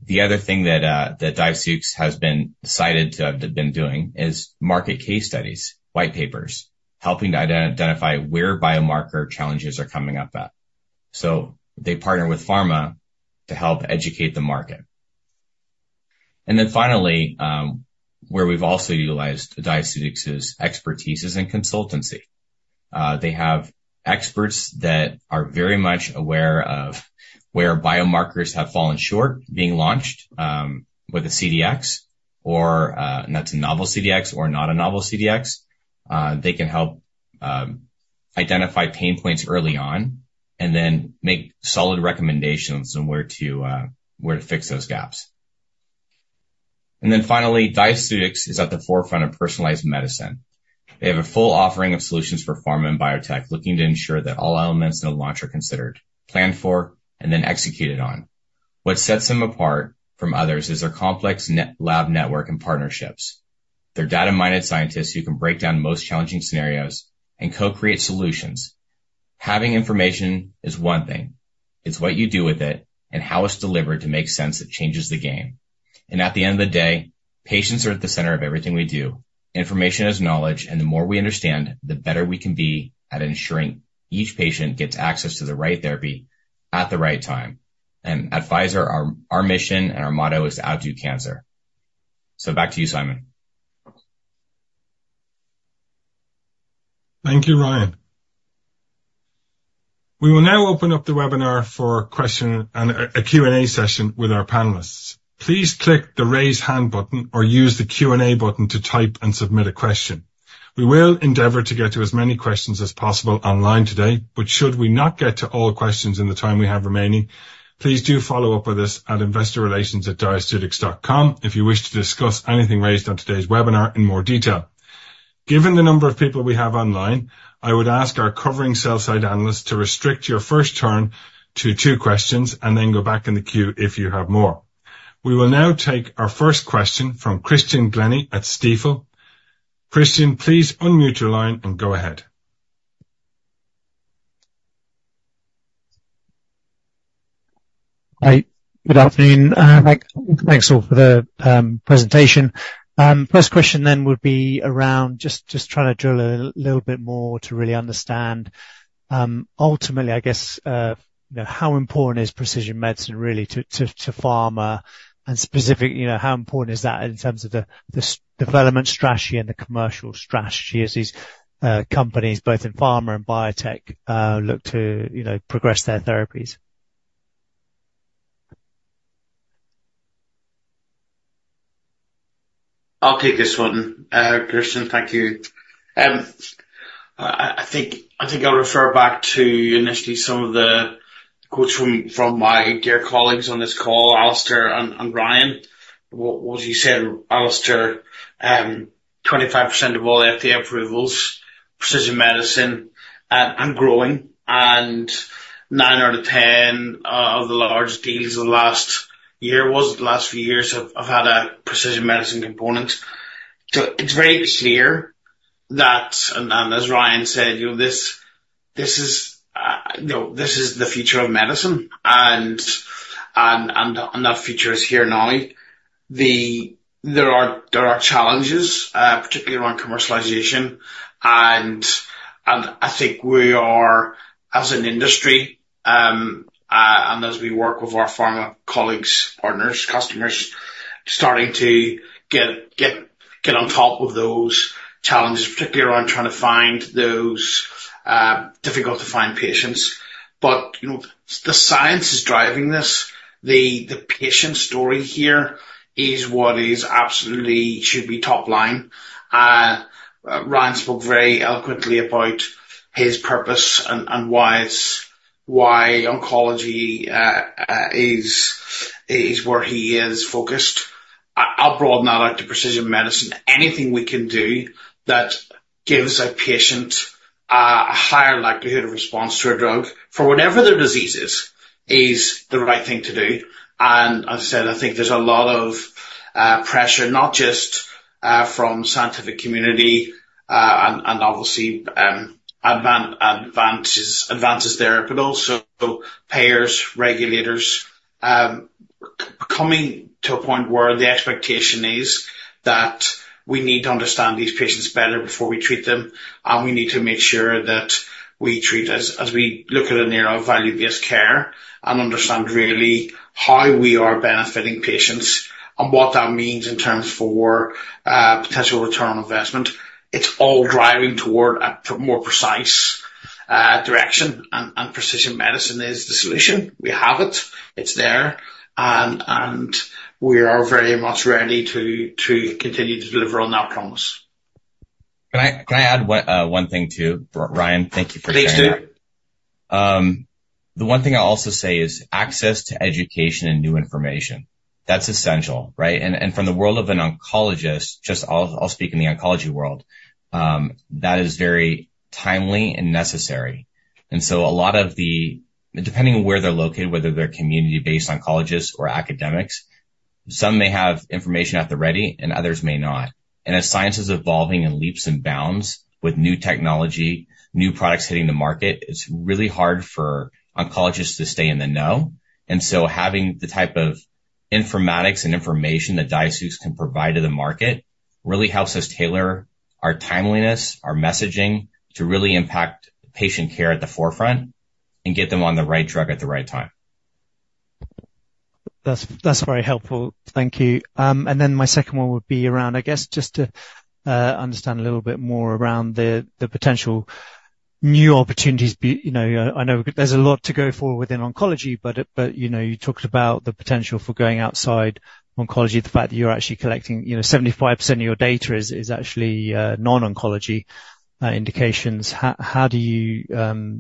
The other thing that Diaceutics has been decided to have been doing is market case studies, white papers, helping to identify where biomarker challenges are coming up at. So they partner with pharma to help educate the market. And then finally, where we've also utilized Diaceutics is expertise and consultancy. They have experts that are very much aware of where biomarkers have fallen short being launched with a CDx, and that's a novel CDx or not a novel CDx. They can help identify pain points early on and then make solid recommendations on where to fix those gaps. Finally, Diaceutics is at the forefront of personalized medicine. They have a full offering of solutions for pharma and biotech looking to ensure that all elements in a launch are considered, planned for, and then executed on. What sets them apart from others is their complex lab network and partnerships. They're data-minded scientists who can break down most challenging scenarios and co-create solutions. Having information is one thing. It's what you do with it and how it's delivered to make sense that changes the game. At the end of the day, patients are at the center of everything we do. Information is knowledge. The more we understand, the better we can be at ensuring each patient gets access to the right therapy at the right time. At Pfizer, our mission and our motto is to outdo cancer. Back to you, Simon. Thank you, Ryan. We will now open up the webinar for a question and a Q&A session with our panelists. Please click the raise hand button or use the Q&A button to type and submit a question. We will endeavor to get to as many questions as possible online today, but should we not get to all questions in the time we have remaining, please do follow up with us at investorrelations@diaceutics.com if you wish to discuss anything raised on today's webinar in more detail. Given the number of people we have online, I would ask our covering sell-side analysts to restrict your first turn to two questions and then go back in the queue if you have more. We will now take our first question from Christian Glennie at Stifel. Christian, please unmute your line and go ahead. Hi. Good afternoon. Thanks all for the presentation. First question then would be around just trying to drill a little bit more to really understand, ultimately, I guess, how important is precision medicine really to pharma and specifically how important is that in terms of the development strategy and the commercial strategy as these companies, both in pharma and biotech, look to progress their therapies? I'll take this one, Christian. Thank you. I think I'll refer back to initially some of the quotes from my dear colleagues on this call, Alasdair and Ryan. What you said, Alasdair, 25% of all FDA approvals, precision medicine, and growing. And nine out of 10 of the large deals of the last year, was the last few years, have had a precision medicine component. So it's very clear that, and as Ryan said, this is the future of medicine, and that future is here now. There are challenges, particularly around commercialization. And I think we are, as an industry, and as we work with our pharma colleagues, partners, customers, starting to get on top of those challenges, particularly around trying to find those difficult-to-find patients. But the science is driving this. The patient story here is what absolutely should be top line. Ryan spoke very eloquently about his purpose and why oncology is where he is focused. I'll broaden that out to precision medicine. Anything we can do that gives a patient a higher likelihood of response to a drug for whatever their disease is is the right thing to do. As I said, I think there's a lot of pressure, not just from the scientific community and obviously advances there, but also payers, regulators, coming to a point where the expectation is that we need to understand these patients better before we treat them. We need to make sure that we treat as we look at a nearer value-based care and understand really how we are benefiting patients and what that means in terms for potential return on investment. It's all driving toward a more precise direction, and precision medicine is the solution. We have it. It's there. We are very much ready to continue to deliver on our promise. Can I add one thing too? Ryan, thank you for sharing. Please do. The one thing I'll also say is access to education and new information. That's essential, right? And from the world of an oncologist, just I'll speak in the oncology world, that is very timely and necessary. And so a lot of the depending on where they're located, whether they're community-based oncologists or academics, some may have information at the ready and others may not. And as science is evolving in leaps and bounds with new technology, new products hitting the market, it's really hard for oncologists to stay in the know. And so having the type of informatics and information that Diaceutics can provide to the market really helps us tailor our timeliness, our messaging to really impact patient care at the forefront and get them on the right drug at the right time. That's very helpful. Thank you. And then my second one would be around, I guess, just to understand a little bit more around the potential new opportunities. I know there's a lot to go for within oncology, but you talked about the potential for going outside oncology, the fact that you're actually collecting 75% of your data is actually non-oncology indications. How do you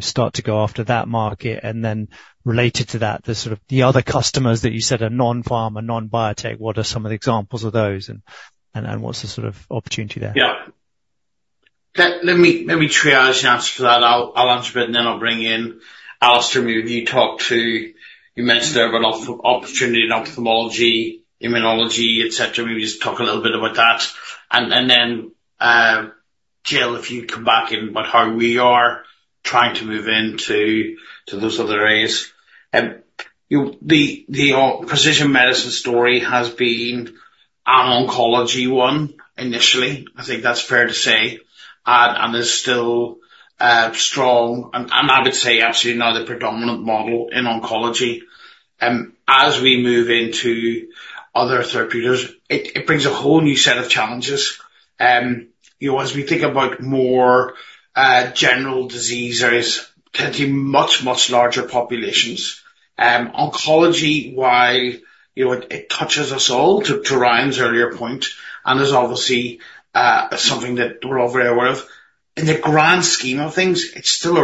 start to go after that market? And then related to that, the sort of the other customers that you said are non-pharma, non-biotech, what are some of the examples of those? And what's the sort of opportunity there? Yeah. Let me triage and answer to that. I'll answer a bit, and then I'll bring in Alasdair, maybe you talk too. You mentioned there are a lot of opportunities in ophthalmology, immunology, etc. Maybe just talk a little bit about that. And then, Jill, if you come back in about how we are trying to move into those other areas. The precision medicine story has been an oncology one initially. I think that's fair to say. And it's still strong. And I would say absolutely now the predominant model in oncology. As we move into other therapeutics, it brings a whole new set of challenges. As we think about more general diseases, there are plenty of much, much larger populations. Oncology, while it touches us all, to Ryan's earlier point, and is obviously something that we're all very aware of, in the grand scheme of things, it's still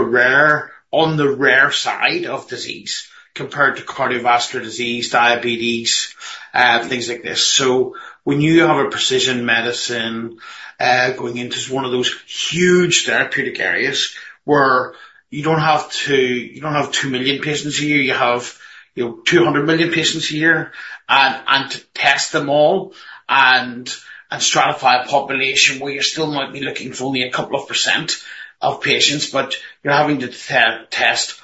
on the rare side of disease compared to cardiovascular disease, diabetes, things like this. So when you have a precision medicine going into one of those huge therapeutic areas where you don't have 2 million patients a year. You have 200 million patients a year. And to test them all and stratify a population where you still might be looking for only a couple of % of patients, but you're having to test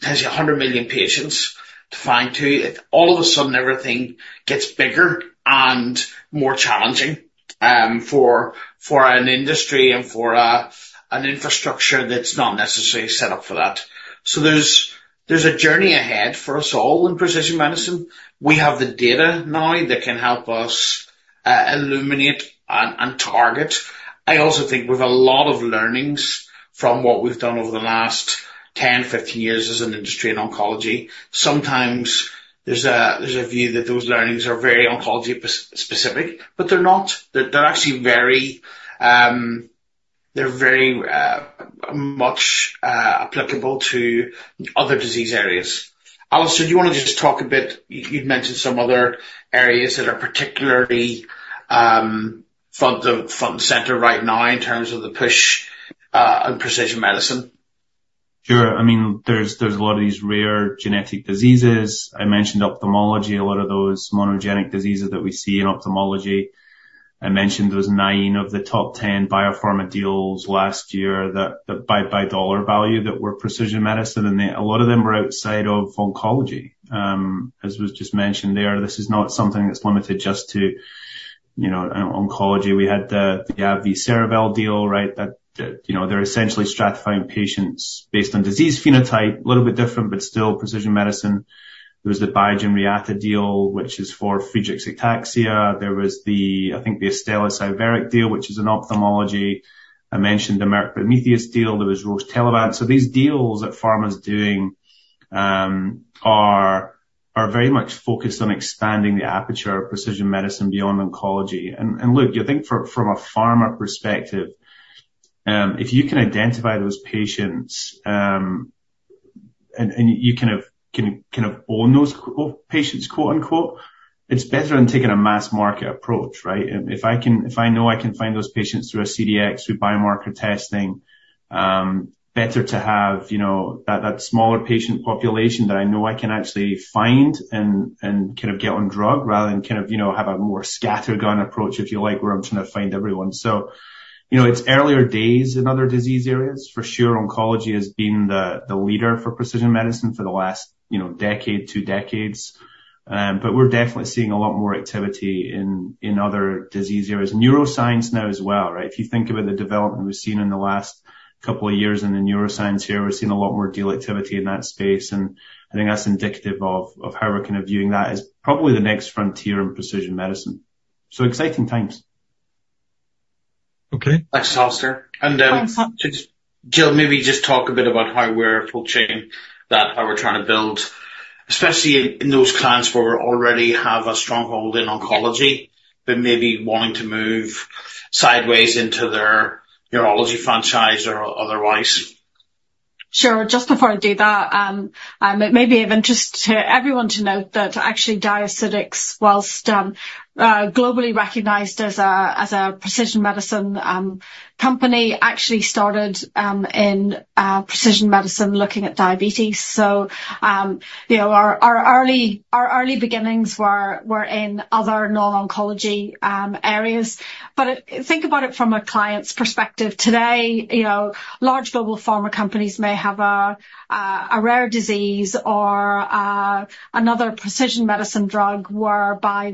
potentially 100 million patients to find two, all of a sudden, everything gets bigger and more challenging for an industry and for an infrastructure that's not necessarily set up for that. So there's a journey ahead for us all in precision medicine. We have the data now that can help us illuminate and target. I also think we have a lot of learnings from what we've done over the last 10, 15 years as an industry in oncology. Sometimes there's a view that those learnings are very oncology specific, but they're not. They're actually very much applicable to other disease areas. Alasdair, do you want to just talk a bit? You'd mentioned some other areas that are particularly front and center right now in terms of the push on precision medicine. Sure. I mean, there's a lot of these rare genetic diseases. I mentioned ophthalmology, a lot of those monogenic diseases that we see in ophthalmology. I mentioned there was nine of the top 10 biopharma deals last year that by dollar value that were precision medicine. And a lot of them were outside of oncology, as was just mentioned there. This is not something that's limited just to oncology. We had the AbbVie Cerevel deal, right? They're essentially stratifying patients based on disease phenotype, a little bit different, but still precision medicine. There was the Biogen-Reata deal, which is for Friedreich's ataxia. There was the, I think, the Astellas-Iveric deal, which is an ophthalmology. I mentioned the Merck Prometheus deal. There was Roche-Telavant. So these deals that pharma's doing are very much focused on expanding the aperture of precision medicine beyond oncology. And look, I think from a pharma perspective, if you can identify those patients and you can kind of own those patients, quote unquote, it's better than taking a mass market approach, right? If I know I can find those patients through a CDx, through biomarker testing, better to have that smaller patient population that I know I can actually find and kind of get on drug rather than kind of have a more scattergun approach, if you like, where I'm trying to find everyone. So it's earlier days in other disease areas. For sure, oncology has been the leader for precision medicine for the last decade, two decades. But we're definitely seeing a lot more activity in other disease areas. Neuroscience now as well, right? If you think about the development we've seen in the last couple of years in the neuroscience here, we've seen a lot more deal activity in that space. I think that's indicative of how we're kind of viewing that as probably the next frontier in precision medicine. Exciting times. Okay. Thanks, Alasdair. Jill, maybe just talk a bit about how we're approaching that, how we're trying to build, especially in those clients where we already have a stronghold in oncology, but maybe wanting to move sideways into their neurology franchise or otherwise. Sure. Just before I do that, it may be of interest to everyone to note that actually Diaceutics, while globally recognized as a precision medicine company, actually started in precision medicine looking at diabetes. So our early beginnings were in other non-oncology areas. But think about it from a client's perspective. Today, large global pharma companies may have a rare disease or another precision medicine drug whereby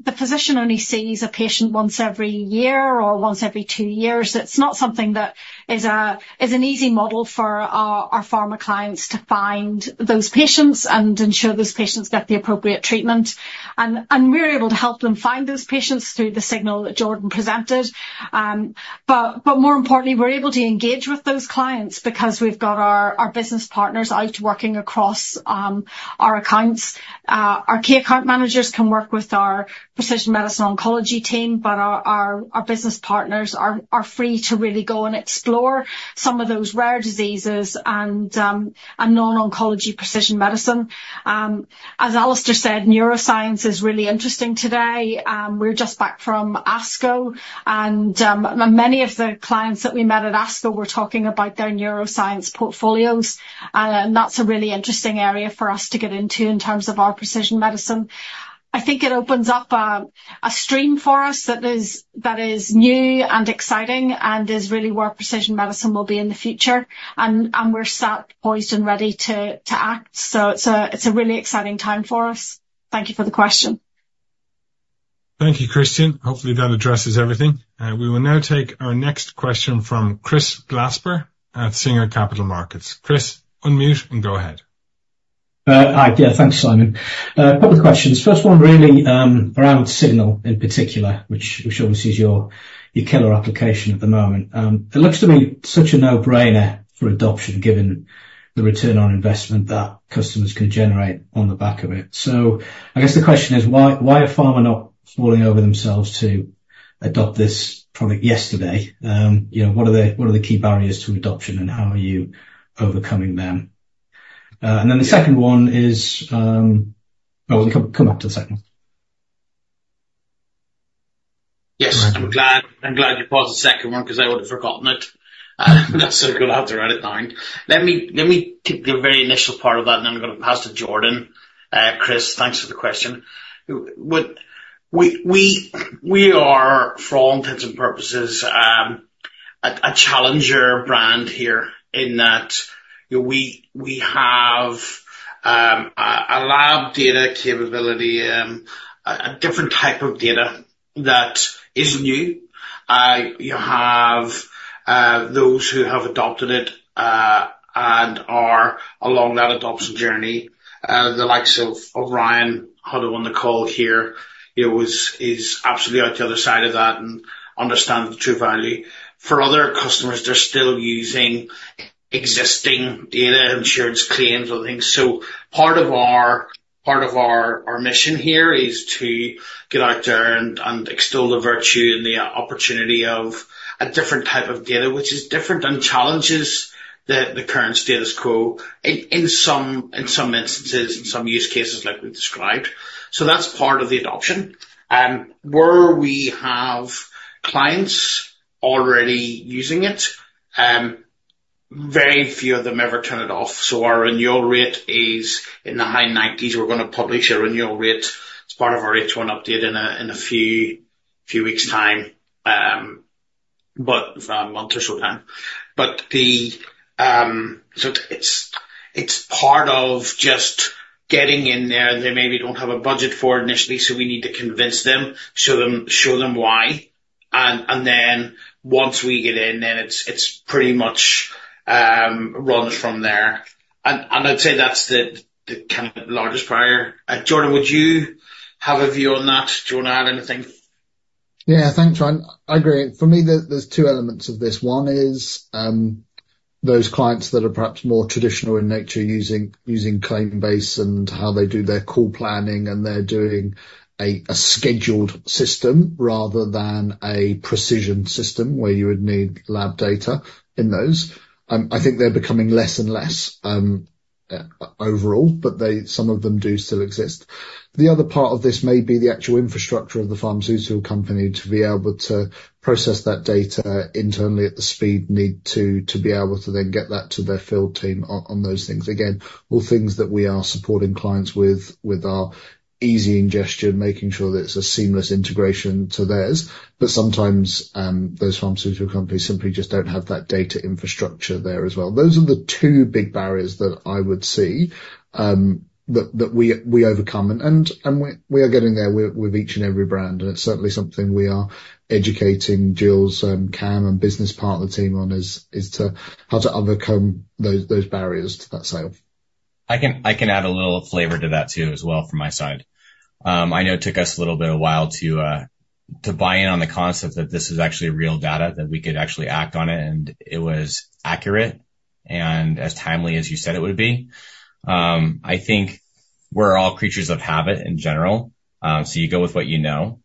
the physician only sees a patient once every year or once every two years. It's not something that is an easy model for our pharma clients to find those patients and ensure those patients get the appropriate treatment. And we're able to help them find those patients through the Signal that Jordan presented. But more importantly, we're able to engage with those clients because we've got our business partners out working across our accounts. Our key account managers can work with our precision medicine oncology team, but our business partners are free to really go and explore some of those rare diseases and non-oncology precision medicine. As Alasdair said, neuroscience is really interesting today. We're just back from ASCO. And many of the clients that we met at ASCO were talking about their neuroscience portfolios. And that's a really interesting area for us to get into in terms of our precision medicine. I think it opens up a stream for us that is new and exciting and is really where precision medicine will be in the future. And we're set, poised, and ready to act. So it's a really exciting time for us. Thank you for the question. Thank you, Christian. Hopefully, that addresses everything. We will now take our next question from Chris Glasper at Singer Capital Markets. Chris, unmute and go ahead. Hi. Yeah, thanks, Simon. A couple of questions. First one really around Signal in particular, which obviously is your killer application at the moment. It looks to be such a no-brainer for adoption given the return on investment that customers can generate on the back of it. So I guess the question is, why are pharma not falling over themselves to adopt this product yesterday? What are the key barriers to adoption, and how are you overcoming them? And then the second one is, well, we can come back to the second one. Yes. I'm glad you paused the second one because I would have forgotten it. That's so good. I have to write it down. Let me take the very initial part of that, and then I'm going to pass to Jordan. Chris, thanks for the question. We are, for all intents and purposes, a challenger brand here in that we have a lab data capability, a different type of data that is new. You have those who have adopted it and are along that adoption journey. The likes of Ryan Hutto on the call here is absolutely out the other side of that and understands the true value. For other customers, they're still using existing data insurance claims or things. So part of our mission here is to get out there and extol the virtue and the opportunity of a different type of data, which is different and challenges the current status quo in some instances, in some use cases like we described. So that's part of the adoption. Where we have clients already using it, very few of them ever turn it off. So our renewal rate is in the high 90s%. We're going to publish a renewal rate. It's part of our H1 update in a few weeks' time, about a month or so time. But it's part of just getting in there. They maybe don't have a budget for it initially, so we need to convince them, show them why. And then once we get in, then it's pretty much runs from there. And I'd say that's the kind of largest prior. Jordan, would you have a view on that? Do you want to add anything? Yeah, thanks, Ryan. I agree. For me, there's two elements of this. One is those clients that are perhaps more traditional in nature using claims-based and how they do their call planning, and they're doing a scheduled system rather than a precision system where you would need lab data in those. I think they're becoming less and less overall, but some of them do still exist. The other part of this may be the actual infrastructure of the pharmaceutical company to be able to process that data internally at the speed needed to be able to then get that to their field team on those things. Again, all things that we are supporting clients with are easy ingestion, making sure that it's a seamless integration to theirs. But sometimes those pharmaceutical companies simply just don't have that data infrastructure there as well. Those are the two big barriers that I would see that we overcome. And we are getting there with each and every brand. And it's certainly something we are educating Jill's KAM and business partner team on, is how to overcome those barriers to that sale. I can add a little flavor to that too as well from my side. I know it took us a little bit of a while to buy in on the concept that this is actually real data, that we could actually act on it, and it was accurate and as timely as you said it would be. I think we're all creatures of habit in general. So you go with what you know.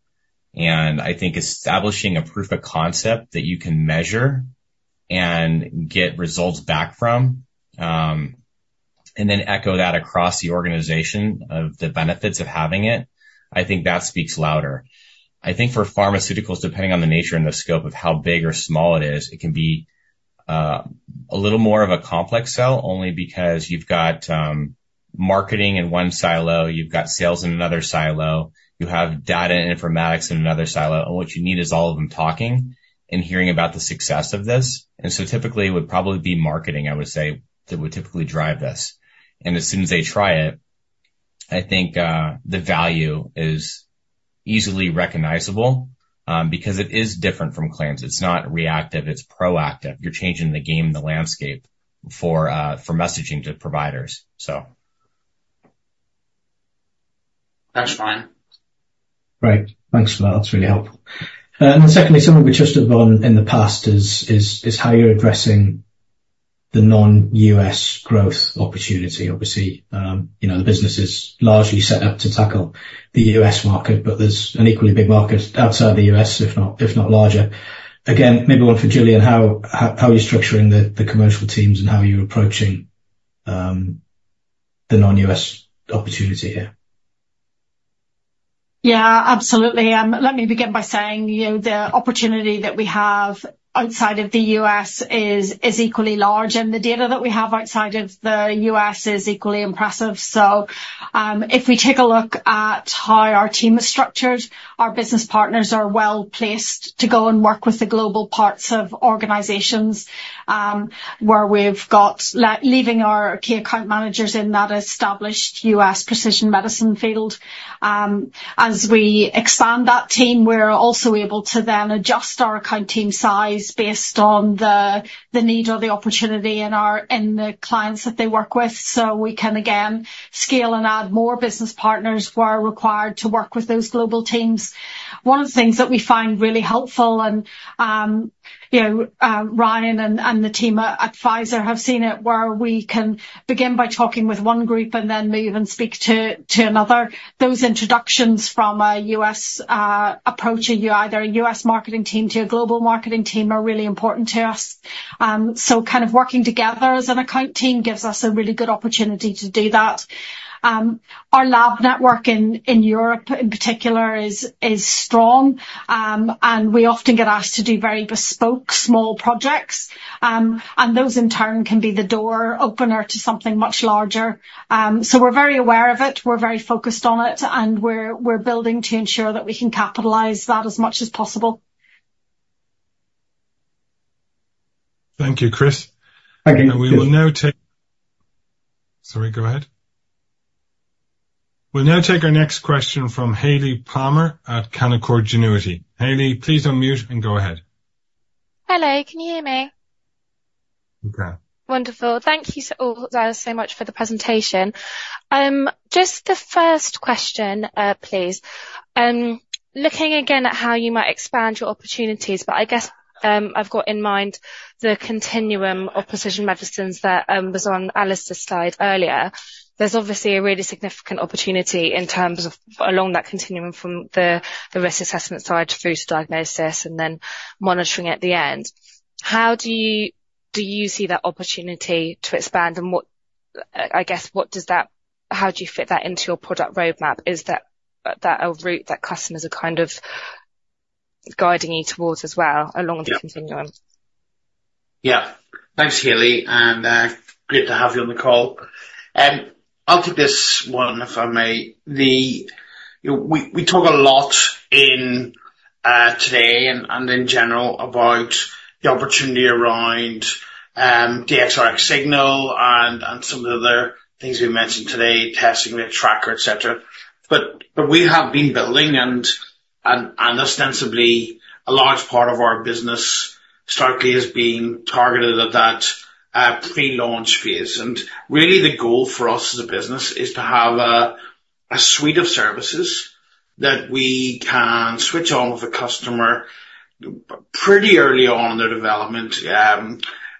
And I think establishing a proof of concept that you can measure and get results back from, and then echo that across the organization of the benefits of having it, I think that speaks louder. I think for pharmaceuticals, depending on the nature and the scope of how big or small it is, it can be a little more of a complex sale only because you've got marketing in one silo, you've got sales in another silo, you have data and informatics in another silo, and what you need is all of them talking and hearing about the success of this. And so typically, it would probably be marketing, I would say, that would typically drive this. And as soon as they try it, I think the value is easily recognizable because it is different from claims. It's not reactive. It's proactive. You're changing the game and the landscape for messaging to providers, so. Thanks, Ryan. Right. Thanks for that. That's really helpful. And then secondly, something we've touched upon in the past is how you're addressing the non-U.S. growth opportunity. Obviously, the business is largely set up to tackle the U.S. market, but there's an equally big market outside the U.S., if not larger. Again, maybe one for Jillian, how are you structuring the commercial teams and how you're approaching the non-U.S. opportunity here? Yeah, absolutely. Let me begin by saying the opportunity that we have outside of the U.S. is equally large, and the data that we have outside of the U.S. is equally impressive. So if we take a look at how our team is structured, our business partners are well placed to go and work with the global parts of organizations where we've got, leaving our key account managers in that established U.S. precision medicine field. As we expand that team, we're also able to then adjust our account team size based on the need or the opportunity in the clients that they work with. So we can again scale and add more business partners who are required to work with those global teams. One of the things that we find really helpful, and Ryan and the team at Pfizer have seen it, where we can begin by talking with one group and then move and speak to another. Those introductions from a U.S. approaching you either a U.S. marketing team to a global marketing team are really important to us. So kind of working together as an account team gives us a really good opportunity to do that. Our lab network in Europe in particular is strong, and we often get asked to do very bespoke small projects. And those in turn can be the door opener to something much larger. So we're very aware of it. We're very focused on it, and we're building to ensure that we can capitalize that as much as possible. Thank you, Chris. Thank you. And we will now take. Sorry, go ahead. We'll now take our next question from Hayley Palmer at Canaccord Genuity. Hayley, please unmute and go ahead. Hello. Can you hear me? Okay. Wonderful. Thank you so much for the presentation. Just the first question, please. Looking again at how you might expand your opportunities, but I guess I've got in mind the continuum of precision medicines that was on Alasdair's slide earlier. There's obviously a really significant opportunity in terms of along that continuum from the risk assessment side through to diagnosis and then monitoring at the end. How do you see that opportunity to expand? And I guess, how do you fit that into your product roadmap? Is that a route that customers are kind of guiding you towards as well along the continuum? Yeah. Thanks, Hayley. Great to have you on the call. I'll take this one, if I may. We talk a lot today and in general about the opportunity around the DXRX Signal and some of the other things we mentioned today, testing the Tracker, etc. But we have been building, and ostensibly, a large part of our business starkly has been targeted at that pre-launch phase. Really, the goal for us as a business is to have a suite of services that we can switch on with a customer pretty early on in their development,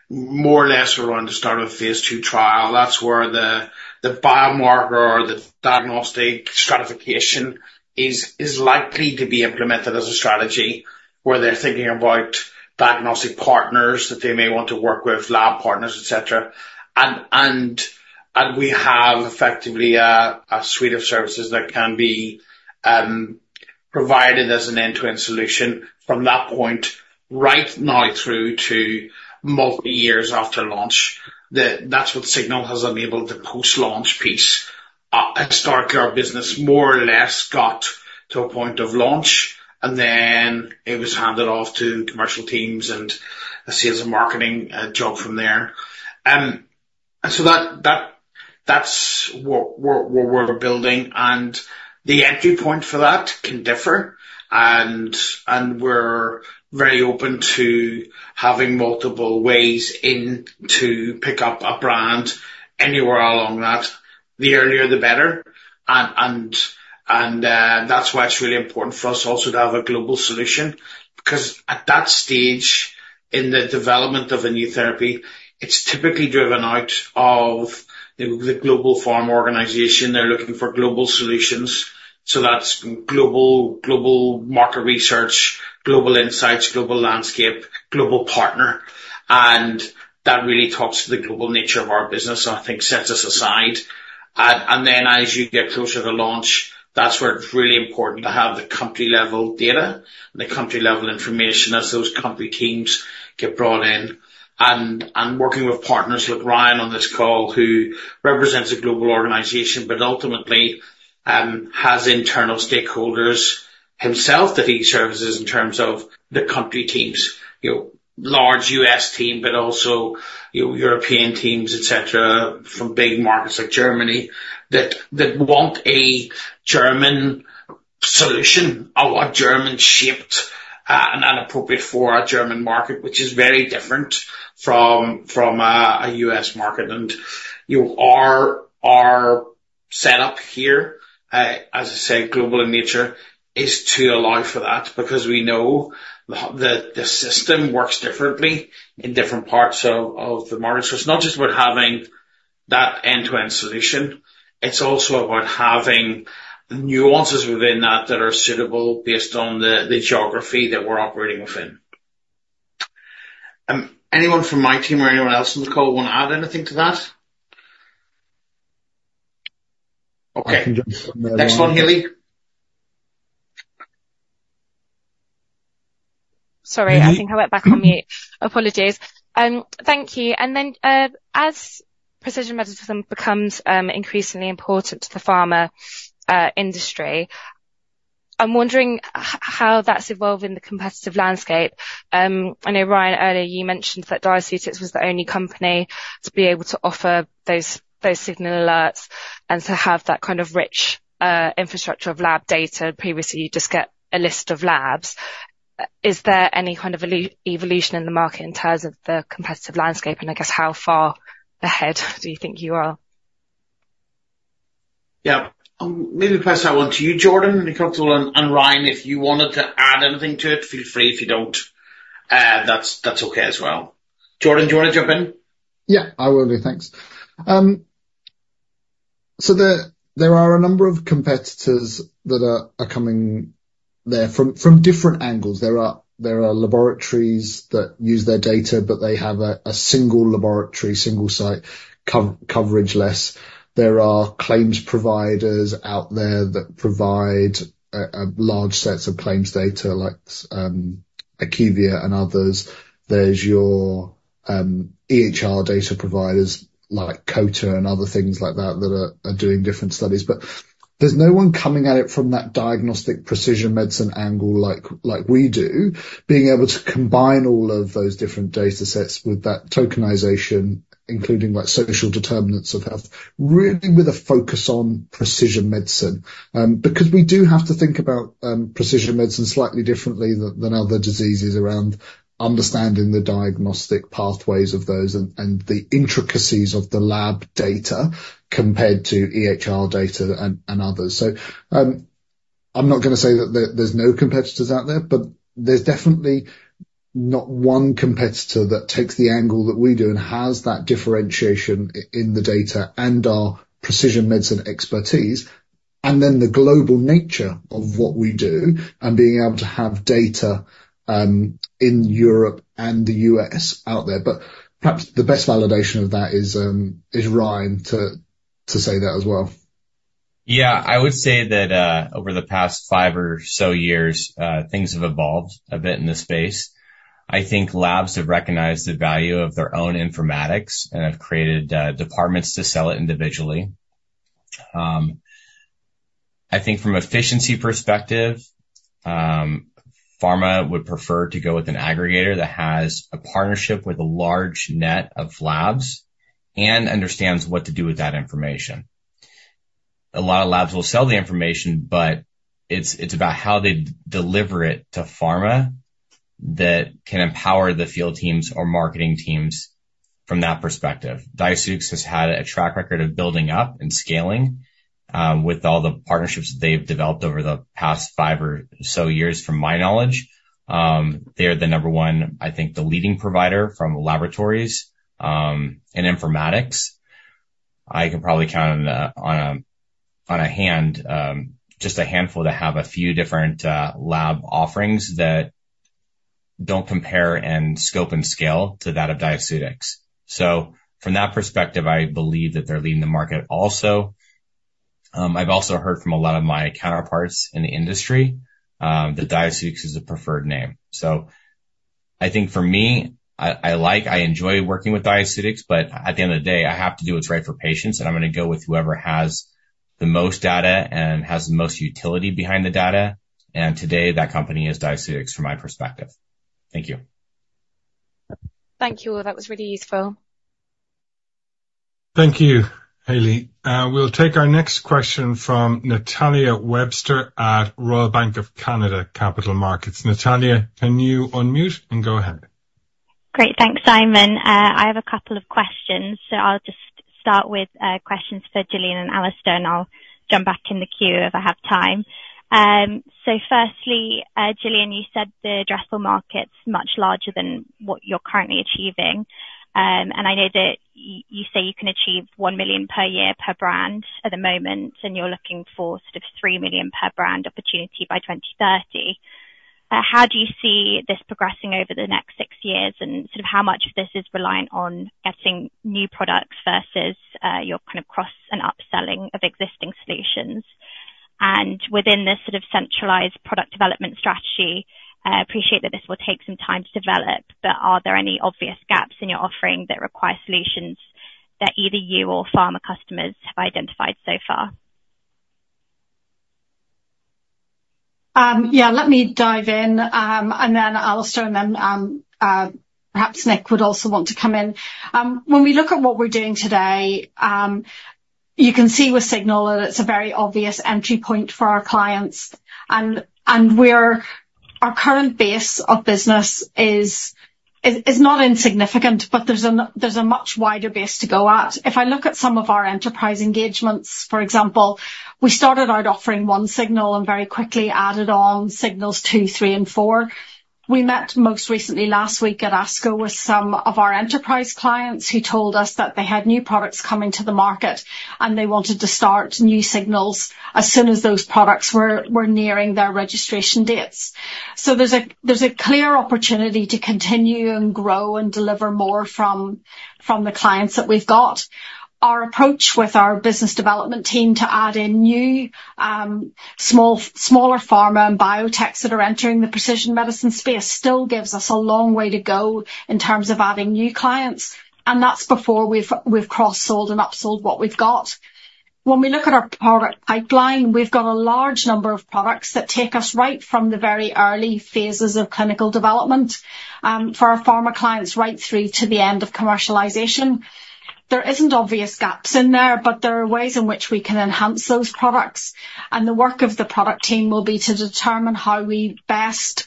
more or less around the start of a Phase 2 trial. That's where the biomarker or the diagnostic stratification is likely to be implemented as a strategy where they're thinking about diagnostic partners that they may want to work with, lab partners, etc. We have effectively a suite of services that can be provided as an end-to-end solution from that point right now through to multi-years after launch. That's what Signal has enabled the post-launch piece. Historically, our business more or less got to a point of launch, and then it was handed off to commercial teams and a sales and marketing job from there. And so that's what we're building. And the entry point for that can differ. And we're very open to having multiple ways in to pick up a brand anywhere along that. The earlier, the better. And that's why it's really important for us also to have a global solution because at that stage in the development of a new therapy, it's typically driven out of the global pharma organization. They're looking for global solutions. So that's global market research, global insights, global landscape, global partner. That really talks to the global nature of our business and I think sets us aside. Then as you get closer to launch, that's where it's really important to have the company-level data and the company-level information as those company teams get brought in. Working with partners like Ryan on this call, who represents a global organization, but ultimately has internal stakeholders himself that he services in terms of the country teams, large U.S. team, but also European teams, etc., from big markets like Germany that want a German solution, a German-shaped and appropriate for a German market, which is very different from a U.S. market. Our setup here, as I said, global in nature, is to allow for that because we know that the system works differently in different parts of the market. So it's not just about having that end-to-end solution. It's also about having nuances within that that are suitable based on the geography that we're operating within. Anyone from my team or anyone else on the call want to add anything to that? Okay. Next one, Hayley. Sorry, I think I went back on mute. Apologies. Thank you. And then as precision medicine becomes increasingly important to the pharma industry, I'm wondering how that's evolved in the competitive landscape. I know, Ryan, earlier you mentioned that Diaceutics was the only company to be able to offer those Signal alerts and to have that kind of rich infrastructure of lab data. Previously, you just get a list of labs. Is there any kind of evolution in the market in terms of the competitive landscape? And I guess how far ahead do you think you are? Yeah. Maybe first I will turn to you, Jordan, if you're comfortable. And Ryan, if you wanted to add anything to it, feel free. If you don't, that's okay as well. Jordan, do you want to jump in? Yeah, I will do. Thanks. So there are a number of competitors that are coming there from different angles. There are laboratories that use their data, but they have a single laboratory, single site coverage list. There are claims providers out there that provide large sets of claims data like IQVIA and others. There's your EHR data providers like COTA and other things like that that are doing different studies. But there's no one coming at it from that diagnostic precision medicine angle like we do, being able to combine all of those different data sets with that tokenization, including social determinants of health, really with a focus on precision medicine. Because we do have to think about precision medicine slightly differently than other diseases around understanding the diagnostic pathways of those and the intricacies of the lab data compared to EHR data and others. So I'm not going to say that there's no competitors out there, but there's definitely not one competitor that takes the angle that we do and has that differentiation in the data and our precision medicine expertise. And then the global nature of what we do and being able to have data in Europe and the US out there. But perhaps the best validation of that is Ryan to say that as well. Yeah. I would say that over the past five or so years, things have evolved a bit in this space. I think labs have recognized the value of their own informatics and have created departments to sell it individually. I think from an efficiency perspective, pharma would prefer to go with an aggregator that has a partnership with a large net of labs and understands what to do with that information. A lot of labs will sell the information, but it's about how they deliver it to pharma that can empower the field teams or marketing teams from that perspective. Diaceutics has had a track record of building up and scaling with all the partnerships that they've developed over the past five or so years, from my knowledge. They are the number one, I think, the leading provider from laboratories and informatics. I can probably count on a hand, just a handful, to have a few different lab offerings that don't compare in scope and scale to that of Diaceutics. So from that perspective, I believe that they're leading the market also. I've also heard from a lot of my counterparts in the industry that Diaceutics is a preferred name. So I think for me, I like, I enjoy working with Diaceutics, but at the end of the day, I have to do what's right for patients, and I'm going to go with whoever has the most data and has the most utility behind the data. And today, that company is Diaceutics from my perspective. Thank you. Thank you. That was really useful. Thank you, Hayley. We'll take our next question from Natalia Webster at Royal Bank of Canada Capital Markets. Natalia, can you unmute and go ahead? Great. Thanks, Simon. I have a couple of questions. So I'll just start with questions for Jillian and Alasdair, and I'll jump back in the queue if I have time. So firstly, Jillian, you said the addressable market's much larger than what you're currently achieving. And I know that you say you can achieve 1 million per year per brand at the moment, and you're looking for sort of 3 million per brand opportunity by 2030. How do you see this progressing over the next 6 years and sort of how much of this is reliant on getting new products versus your kind of cross and upselling of existing solutions? Within this sort of centralized product development strategy, I appreciate that this will take some time to develop, but are there any obvious gaps in your offering that require solutions that either you or pharma customers have identified so far? Yeah, let me dive in, and then Alasdair, and then perhaps Nick would also want to come in. When we look at what we're doing today, you can see with Signal that it's a very obvious entry point for our clients. Our current base of business is not insignificant, but there's a much wider base to go at. If I look at some of our enterprise engagements, for example, we started out offering one Signal and very quickly added on Signals 2, 3, and 4. We met most recently last week at ASCO with some of our enterprise clients who told us that they had new products coming to the market, and they wanted to start new Signals as soon as those products were nearing their registration dates. So there's a clear opportunity to continue and grow and deliver more from the clients that we've got. Our approach with our business development team to add in new smaller pharma and biotechs that are entering the precision medicine space still gives us a long way to go in terms of adding new clients. That's before we've cross-sold and upsold what we've got. When we look at our product pipeline, we've got a large number of products that take us right from the very early phases of clinical development for our pharma clients right through to the end of commercialization. There isn't obvious gaps in there, but there are ways in which we can enhance those products. The work of the product team will be to determine how we best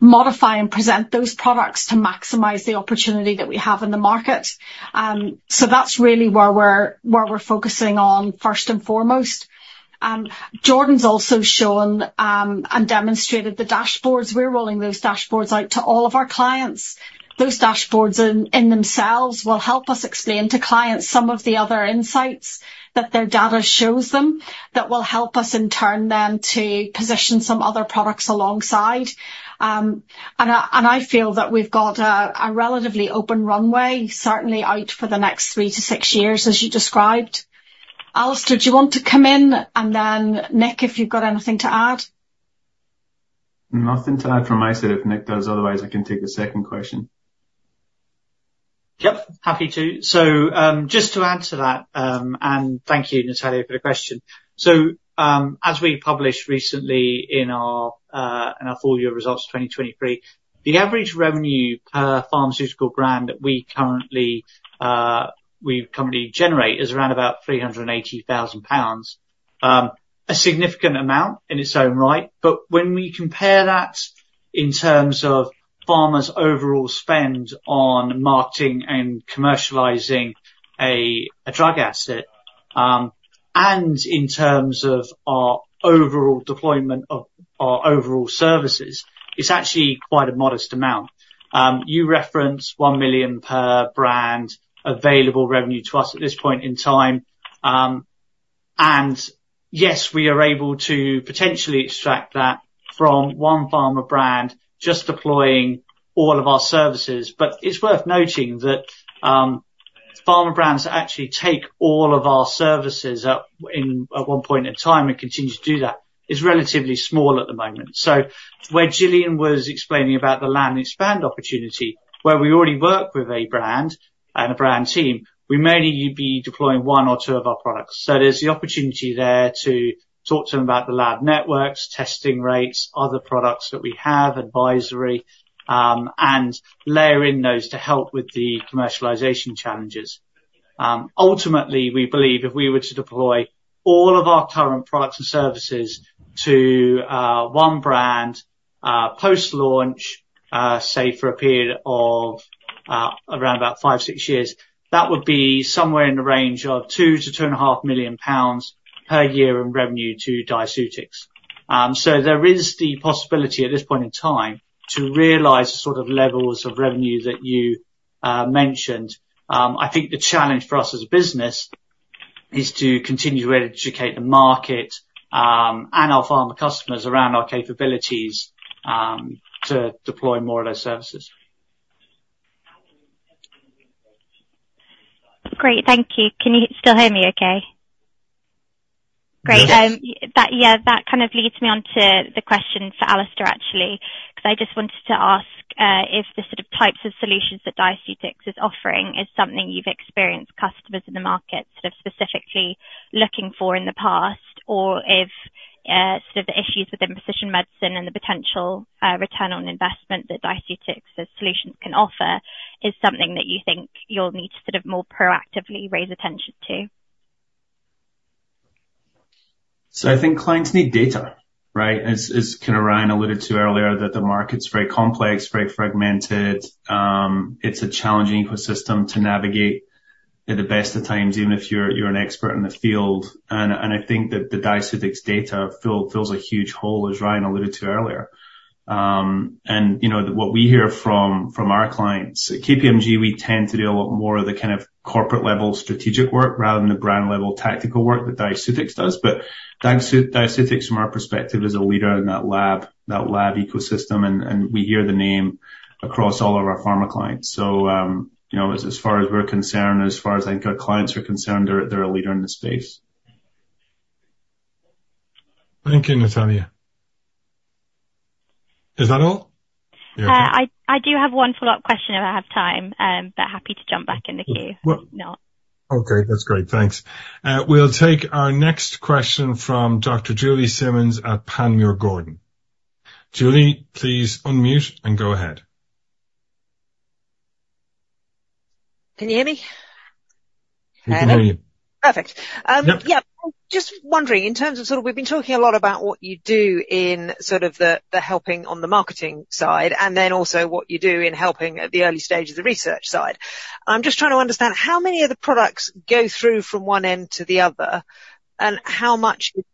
modify and present those products to maximize the opportunity that we have in the market. That's really where we're focusing on first and foremost. Jordan's also shown and demonstrated the dashboards. We're rolling those dashboards out to all of our clients. Those dashboards in themselves will help us explain to clients some of the other insights that their data shows them that will help us in turn then to position some other products alongside. And I feel that we've got a relatively open runway, certainly out for the next 3-6 years, as you described. Alasdair, do you want to come in? And then Nick, if you've got anything to add. Nothing to add from my side if Nick does. Otherwise, I can take the second question. Yep. Happy to. So just to add to that, and thank you, Natalia, for the question. So as we published recently in our full year results for 2023, the average revenue per pharmaceutical brand that we currently generate is around about 380,000 pounds. A significant amount in its own right. But when we compare that in terms of pharma's overall spend on marketing and commercializing a drug asset and in terms of our overall deployment of our overall services, it's actually quite a modest amount. You reference 1 million per brand available revenue to us at this point in time. And yes, we are able to potentially extract that from one pharma brand just deploying all of our services. But it's worth noting that pharma brands that actually take all of our services at one point in time and continue to do that is relatively small at the moment. So where Jillian was explaining about the land expand opportunity, where we already work with a brand and a brand team, we may need you to be deploying one or two of our products. So there's the opportunity there to talk to them about the lab networks, testing rates, other products that we have, advisory, and layer in those to help with the commercialization challenges. Ultimately, we believe if we were to deploy all of our current products and services to one brand post-launch, say for a period of around about five, six years, that would be somewhere in the range of 2 million-2.5 million pounds per year in revenue to Diaceutics. So there is the possibility at this point in time to realize the sort of levels of revenue that you mentioned. I think the challenge for us as a business is to continue to educate the market and our pharma customers around our capabilities to deploy more of those services. Great. Thank you. Can you still hear me okay? Great. Yeah, that kind of leads me on to the question for Alasdair, actually, because I just wanted to ask if the sort of types of solutions that Diaceutics is offering is something you've experienced customers in the market sort of specifically looking for in the past, or if sort of the issues within precision medicine and the potential return on investment that Diaceutics' solutions can offer is something that you think you'll need to sort of more proactively raise attention to. So I think clients need data, right? As Ryan alluded to earlier, that the market's very complex, very fragmented. It's a challenging ecosystem to navigate at the best of times, even if you're an expert in the field. And I think that the Diaceutics data fills a huge hole, as Ryan alluded to earlier. And what we hear from our clients. At KPMG, we tend to do a lot more of the kind of corporate-level strategic work rather than the brand-level tactical work that Diaceutics does. But Diaceutics, from our perspective, is a leader in that lab ecosystem, and we hear the name across all of our pharma clients. So as far as we're concerned, as far as I think our clients are concerned, they're a leader in the space. Thank you, Natalia. Is that all? I do have one follow-up question if I have time, but happy to jump back in the queue if not. Okay. That's great. Thanks. We'll take our next question from Dr. Julie Simmonds at Panmure Gordon. Julie, please unmute and go ahead. Can you hear me? I can hear you. Perfect. Yeah. Just wondering, in terms of sort of we've been talking a lot about what you do in sort of the helping on the marketing side and then also what you do in helping at the early stages of the research side. I'm just trying to understand how many of the products go through from one end to the other and how much is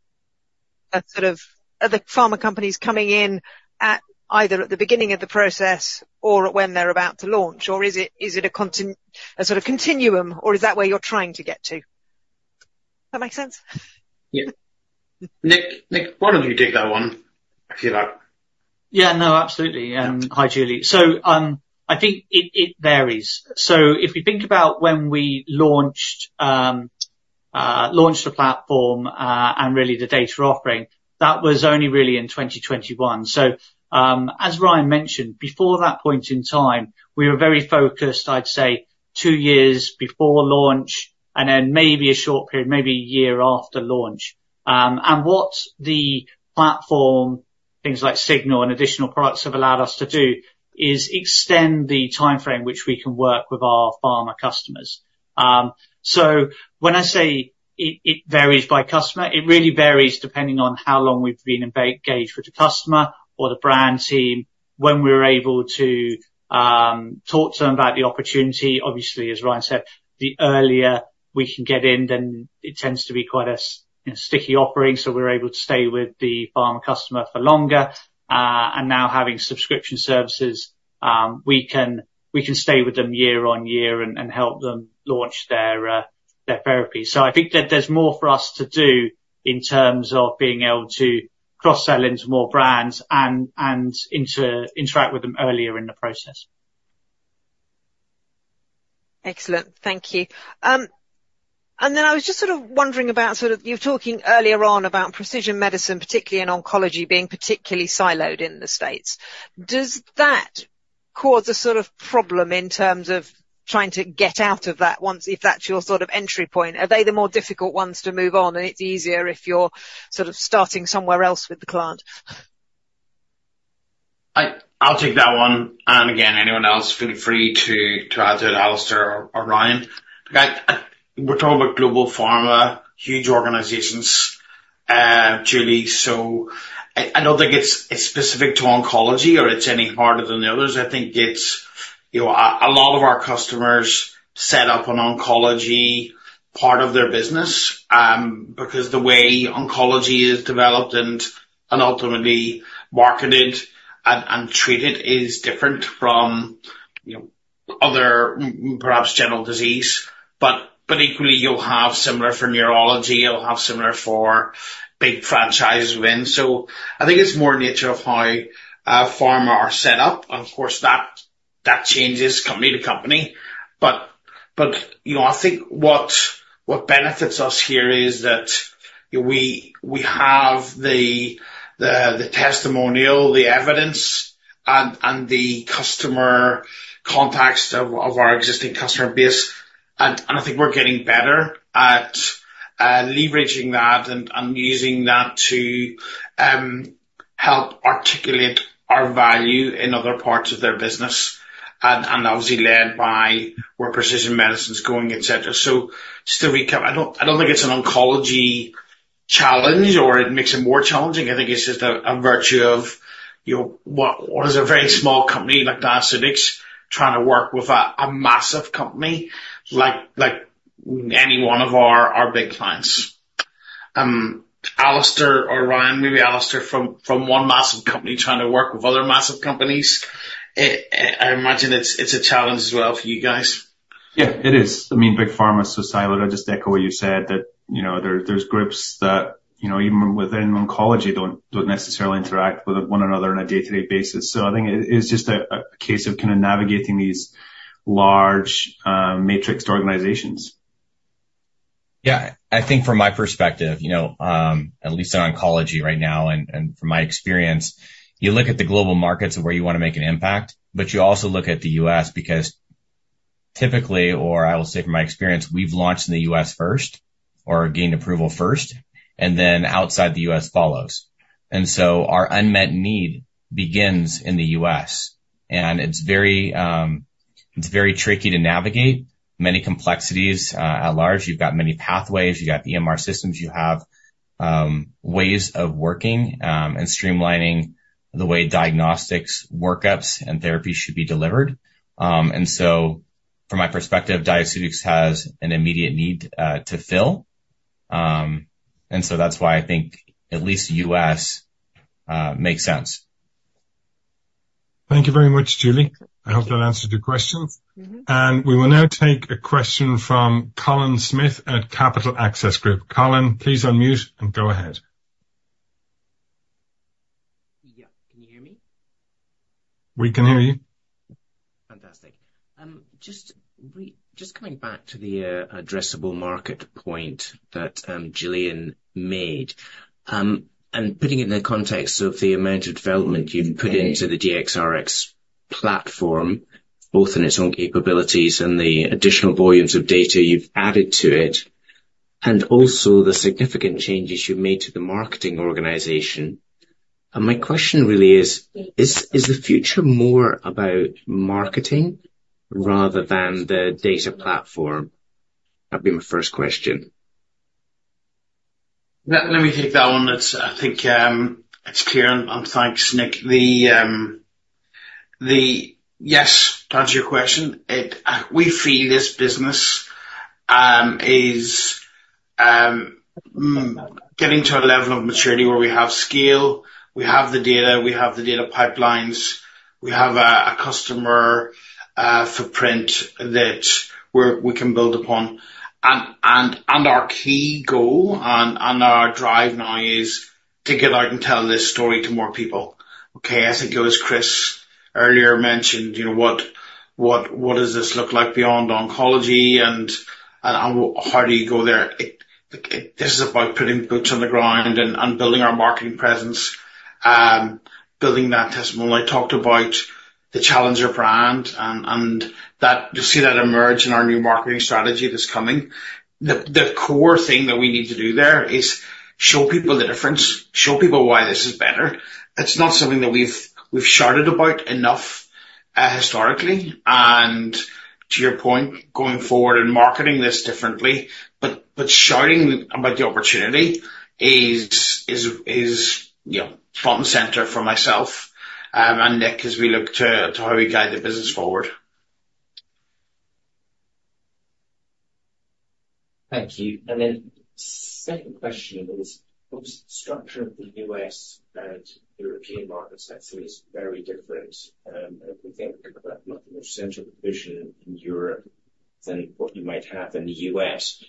sort of the pharma companies coming in at either at the beginning of the process or when they're about to launch? Or is it a sort of continuum, or is that where you're trying to get to? Does that make sense? Yeah. Nick, why don't you take that one? Yeah. No, absolutely. Hi, Julie. So I think it varies. So if we think about when we launched a platform and really the data offering, that was only really in 2021. So as Ryan mentioned, before that point in time, we were very focused, I'd say, two years before launch and then maybe a short period, maybe a year after launch. And what the platform, things like Signal and additional products have allowed us to do is extend the timeframe which we can work with our pharma customers. So when I say it varies by customer, it really varies depending on how long we've been engaged with the customer or the brand team, when we're able to talk to them about the opportunity. Obviously, as Ryan said, the earlier we can get in, then it tends to be quite a sticky offering, so we're able to stay with the pharma customer for longer. And now having subscription services, we can stay with them year on year and help them launch their therapy. So I think that there's more for us to do in terms of being able to cross-sell into more brands and interact with them earlier in the process. Excellent. Thank you. And then I was just sort of wondering about sort of you were talking earlier on about precision medicine, particularly in oncology, being particularly siloed in the States. Does that cause a sort of problem in terms of trying to get out of that once if that's your sort of entry point? Are they the more difficult ones to move on, and it's easier if you're sort of starting somewhere else with the client? I'll take that one. And again, anyone else, feel free to add to it, Alasdair or Ryan. We're talking about global pharma, huge organizations, Julie. So I don't think it's specific to oncology or it's any harder than the others. I think it's a lot of our customers set up an oncology part of their business because the way oncology is developed and ultimately marketed and treated is different from other perhaps general disease. But equally, you'll have similar for neurology. You'll have similar for big franchises within. So I think it's more nature of how pharma are set up. And of course, that changes company to company. But I think what benefits us here is that we have the testimonial, the evidence, and the customer context of our existing customer base. I think we're getting better at leveraging that and using that to help articulate our value in other parts of their business and obviously led by where precision medicine's going, etc. So just to recap, I don't think it's an oncology challenge or it makes it more challenging. I think it's just a virtue of what is a very small company like Diaceutics trying to work with a massive company like any one of our big clients. Alasdair or Ryan, maybe Alasdair from one massive company trying to work with other massive companies, I imagine it's a challenge as well for you guys. Yeah, it is. I mean, big pharma is so siloed. I just echo what you said that there's groups that even within oncology don't necessarily interact with one another on a day-to-day basis. I think it's just a case of kind of navigating these large matrixed organizations. Yeah. I think from my perspective, at least in oncology right now and from my experience, you look at the global markets of where you want to make an impact, but you also look at the U.S. because typically, or I will say from my experience, we've launched in the U.S. first or gained approval first, and then outside the U.S. follows. And so our unmet need begins in the U.S. And it's very tricky to navigate. Many complexities at large. You've got many pathways. You've got EMR systems. You have ways of working and streamlining the way diagnostics, workups, and therapies should be delivered. And so from my perspective, Diaceutics has an immediate need to fill. And so that's why I think at least U.S. makes sense. Thank you very much, Julie. I hope that answered your questions. We will now take a question from Colin Smith at Capital Access Group. Colin, please unmute and go ahead. Yeah. Can you hear me? We can hear you. Fantastic. Just coming back to the addressable market point that Julie made and putting it in the context of the amount of development you've put into the DXRX platform, both in its own capabilities and the additional volumes of data you've added to it, and also the significant changes you've made to the marketing organization. My question really is, is the future more about marketing rather than the data platform? That'd be my first question. Let me take that one. I think it's clear. Thanks, Nick. Yes, to answer your question, we feel this business is getting to a level of maturity where we have scale, we have the data, we have the data pipelines, we have a customer footprint that we can build upon. Our key goal and our drive now is to get out and tell this story to more people. Okay. I think it was Chris earlier mentioned, what does this look like beyond oncology and how do you go there? This is about putting boots on the ground and building our marketing presence, building that testimonial. I talked about the Challenger brand and that you see that emerge in our new marketing strategy that's coming. The core thing that we need to do there is show people the difference, show people why this is better. It's not something that we've shouted about enough historically. To your point, going forward and marketing this differently, but shouting about the opportunity is front and center for myself and Nick as we look to how we guide the business forward. Thank you. And then second question is, of course, the structure of the U.S. and European markets, that's very different. I think about much more central position in Europe than what you might have in the U.S.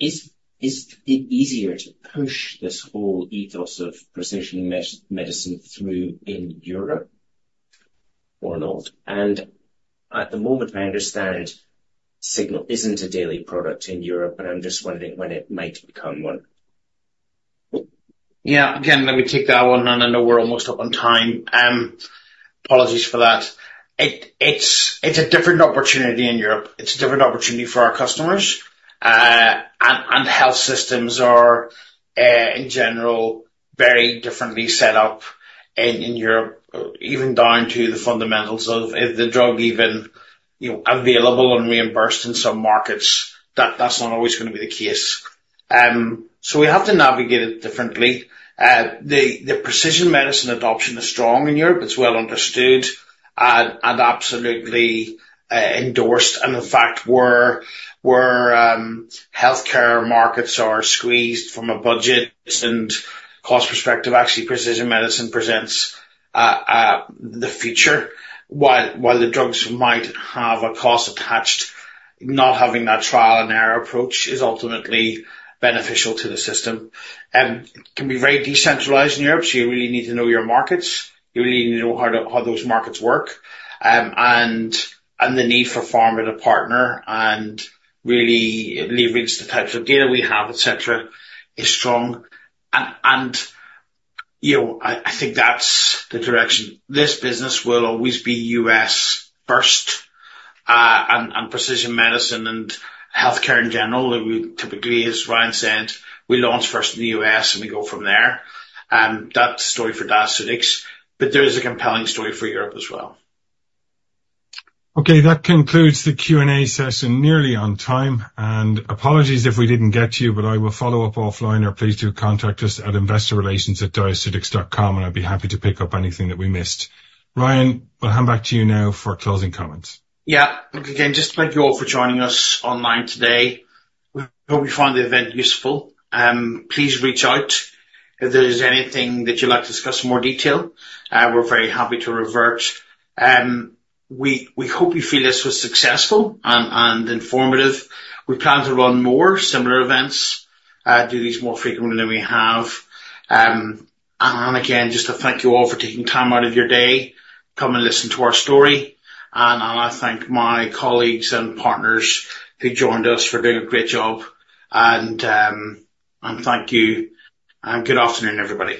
Is it easier to push this whole ethos of precision medicine through in Europe or not? And at the moment, I understand Signal isn't a daily product in Europe, but I'm just wondering when it might become one. Yeah. Again, let me take that one. I know we're almost up on time. Apologies for that. It's a different opportunity in Europe. It's a different opportunity for our customers. Health systems are, in general, very differently set up in Europe, even down to the fundamentals of the drug even available and reimbursed in some markets. That's not always going to be the case. We have to navigate it differently. The precision medicine adoption is strong in Europe. It's well understood and absolutely endorsed. In fact, where healthcare markets are squeezed from a budget and cost perspective, actually, precision medicine presents the future. While the drugs might have a cost attached, not having that trial and error approach is ultimately beneficial to the system. It can be very decentralized in Europe, so you really need to know your markets. You really need to know how those markets work and the need for pharma to partner and really leverage the types of data we have, etc., is strong. I think that's the direction. This business will always be U.S. first and precision medicine and healthcare in general, typically, as Ryan said, we launch first in the U.S. and we go from there. That's the story for Diaceutics. There is a compelling story for Europe as well. Okay. That concludes the Q&A session nearly on time. And apologies if we didn't get to you, but I will follow up offline or please do contact us at investorrelations@diaceutics.com, and I'd be happy to pick up anything that we missed. Ryan, we'll hand back to you now for closing comments. Yeah. Again, just thank you all for joining us online today. We hope you found the event useful. Please reach out if there's anything that you'd like to discuss in more detail. We're very happy to revert. We hope you feel this was successful and informative. We plan to run more similar events, do these more frequently than we have. And again, just to thank you all for taking time out of your day, come and listen to our story. And I thank my colleagues and partners who joined us for doing a great job. And thank you. And good afternoon, everybody.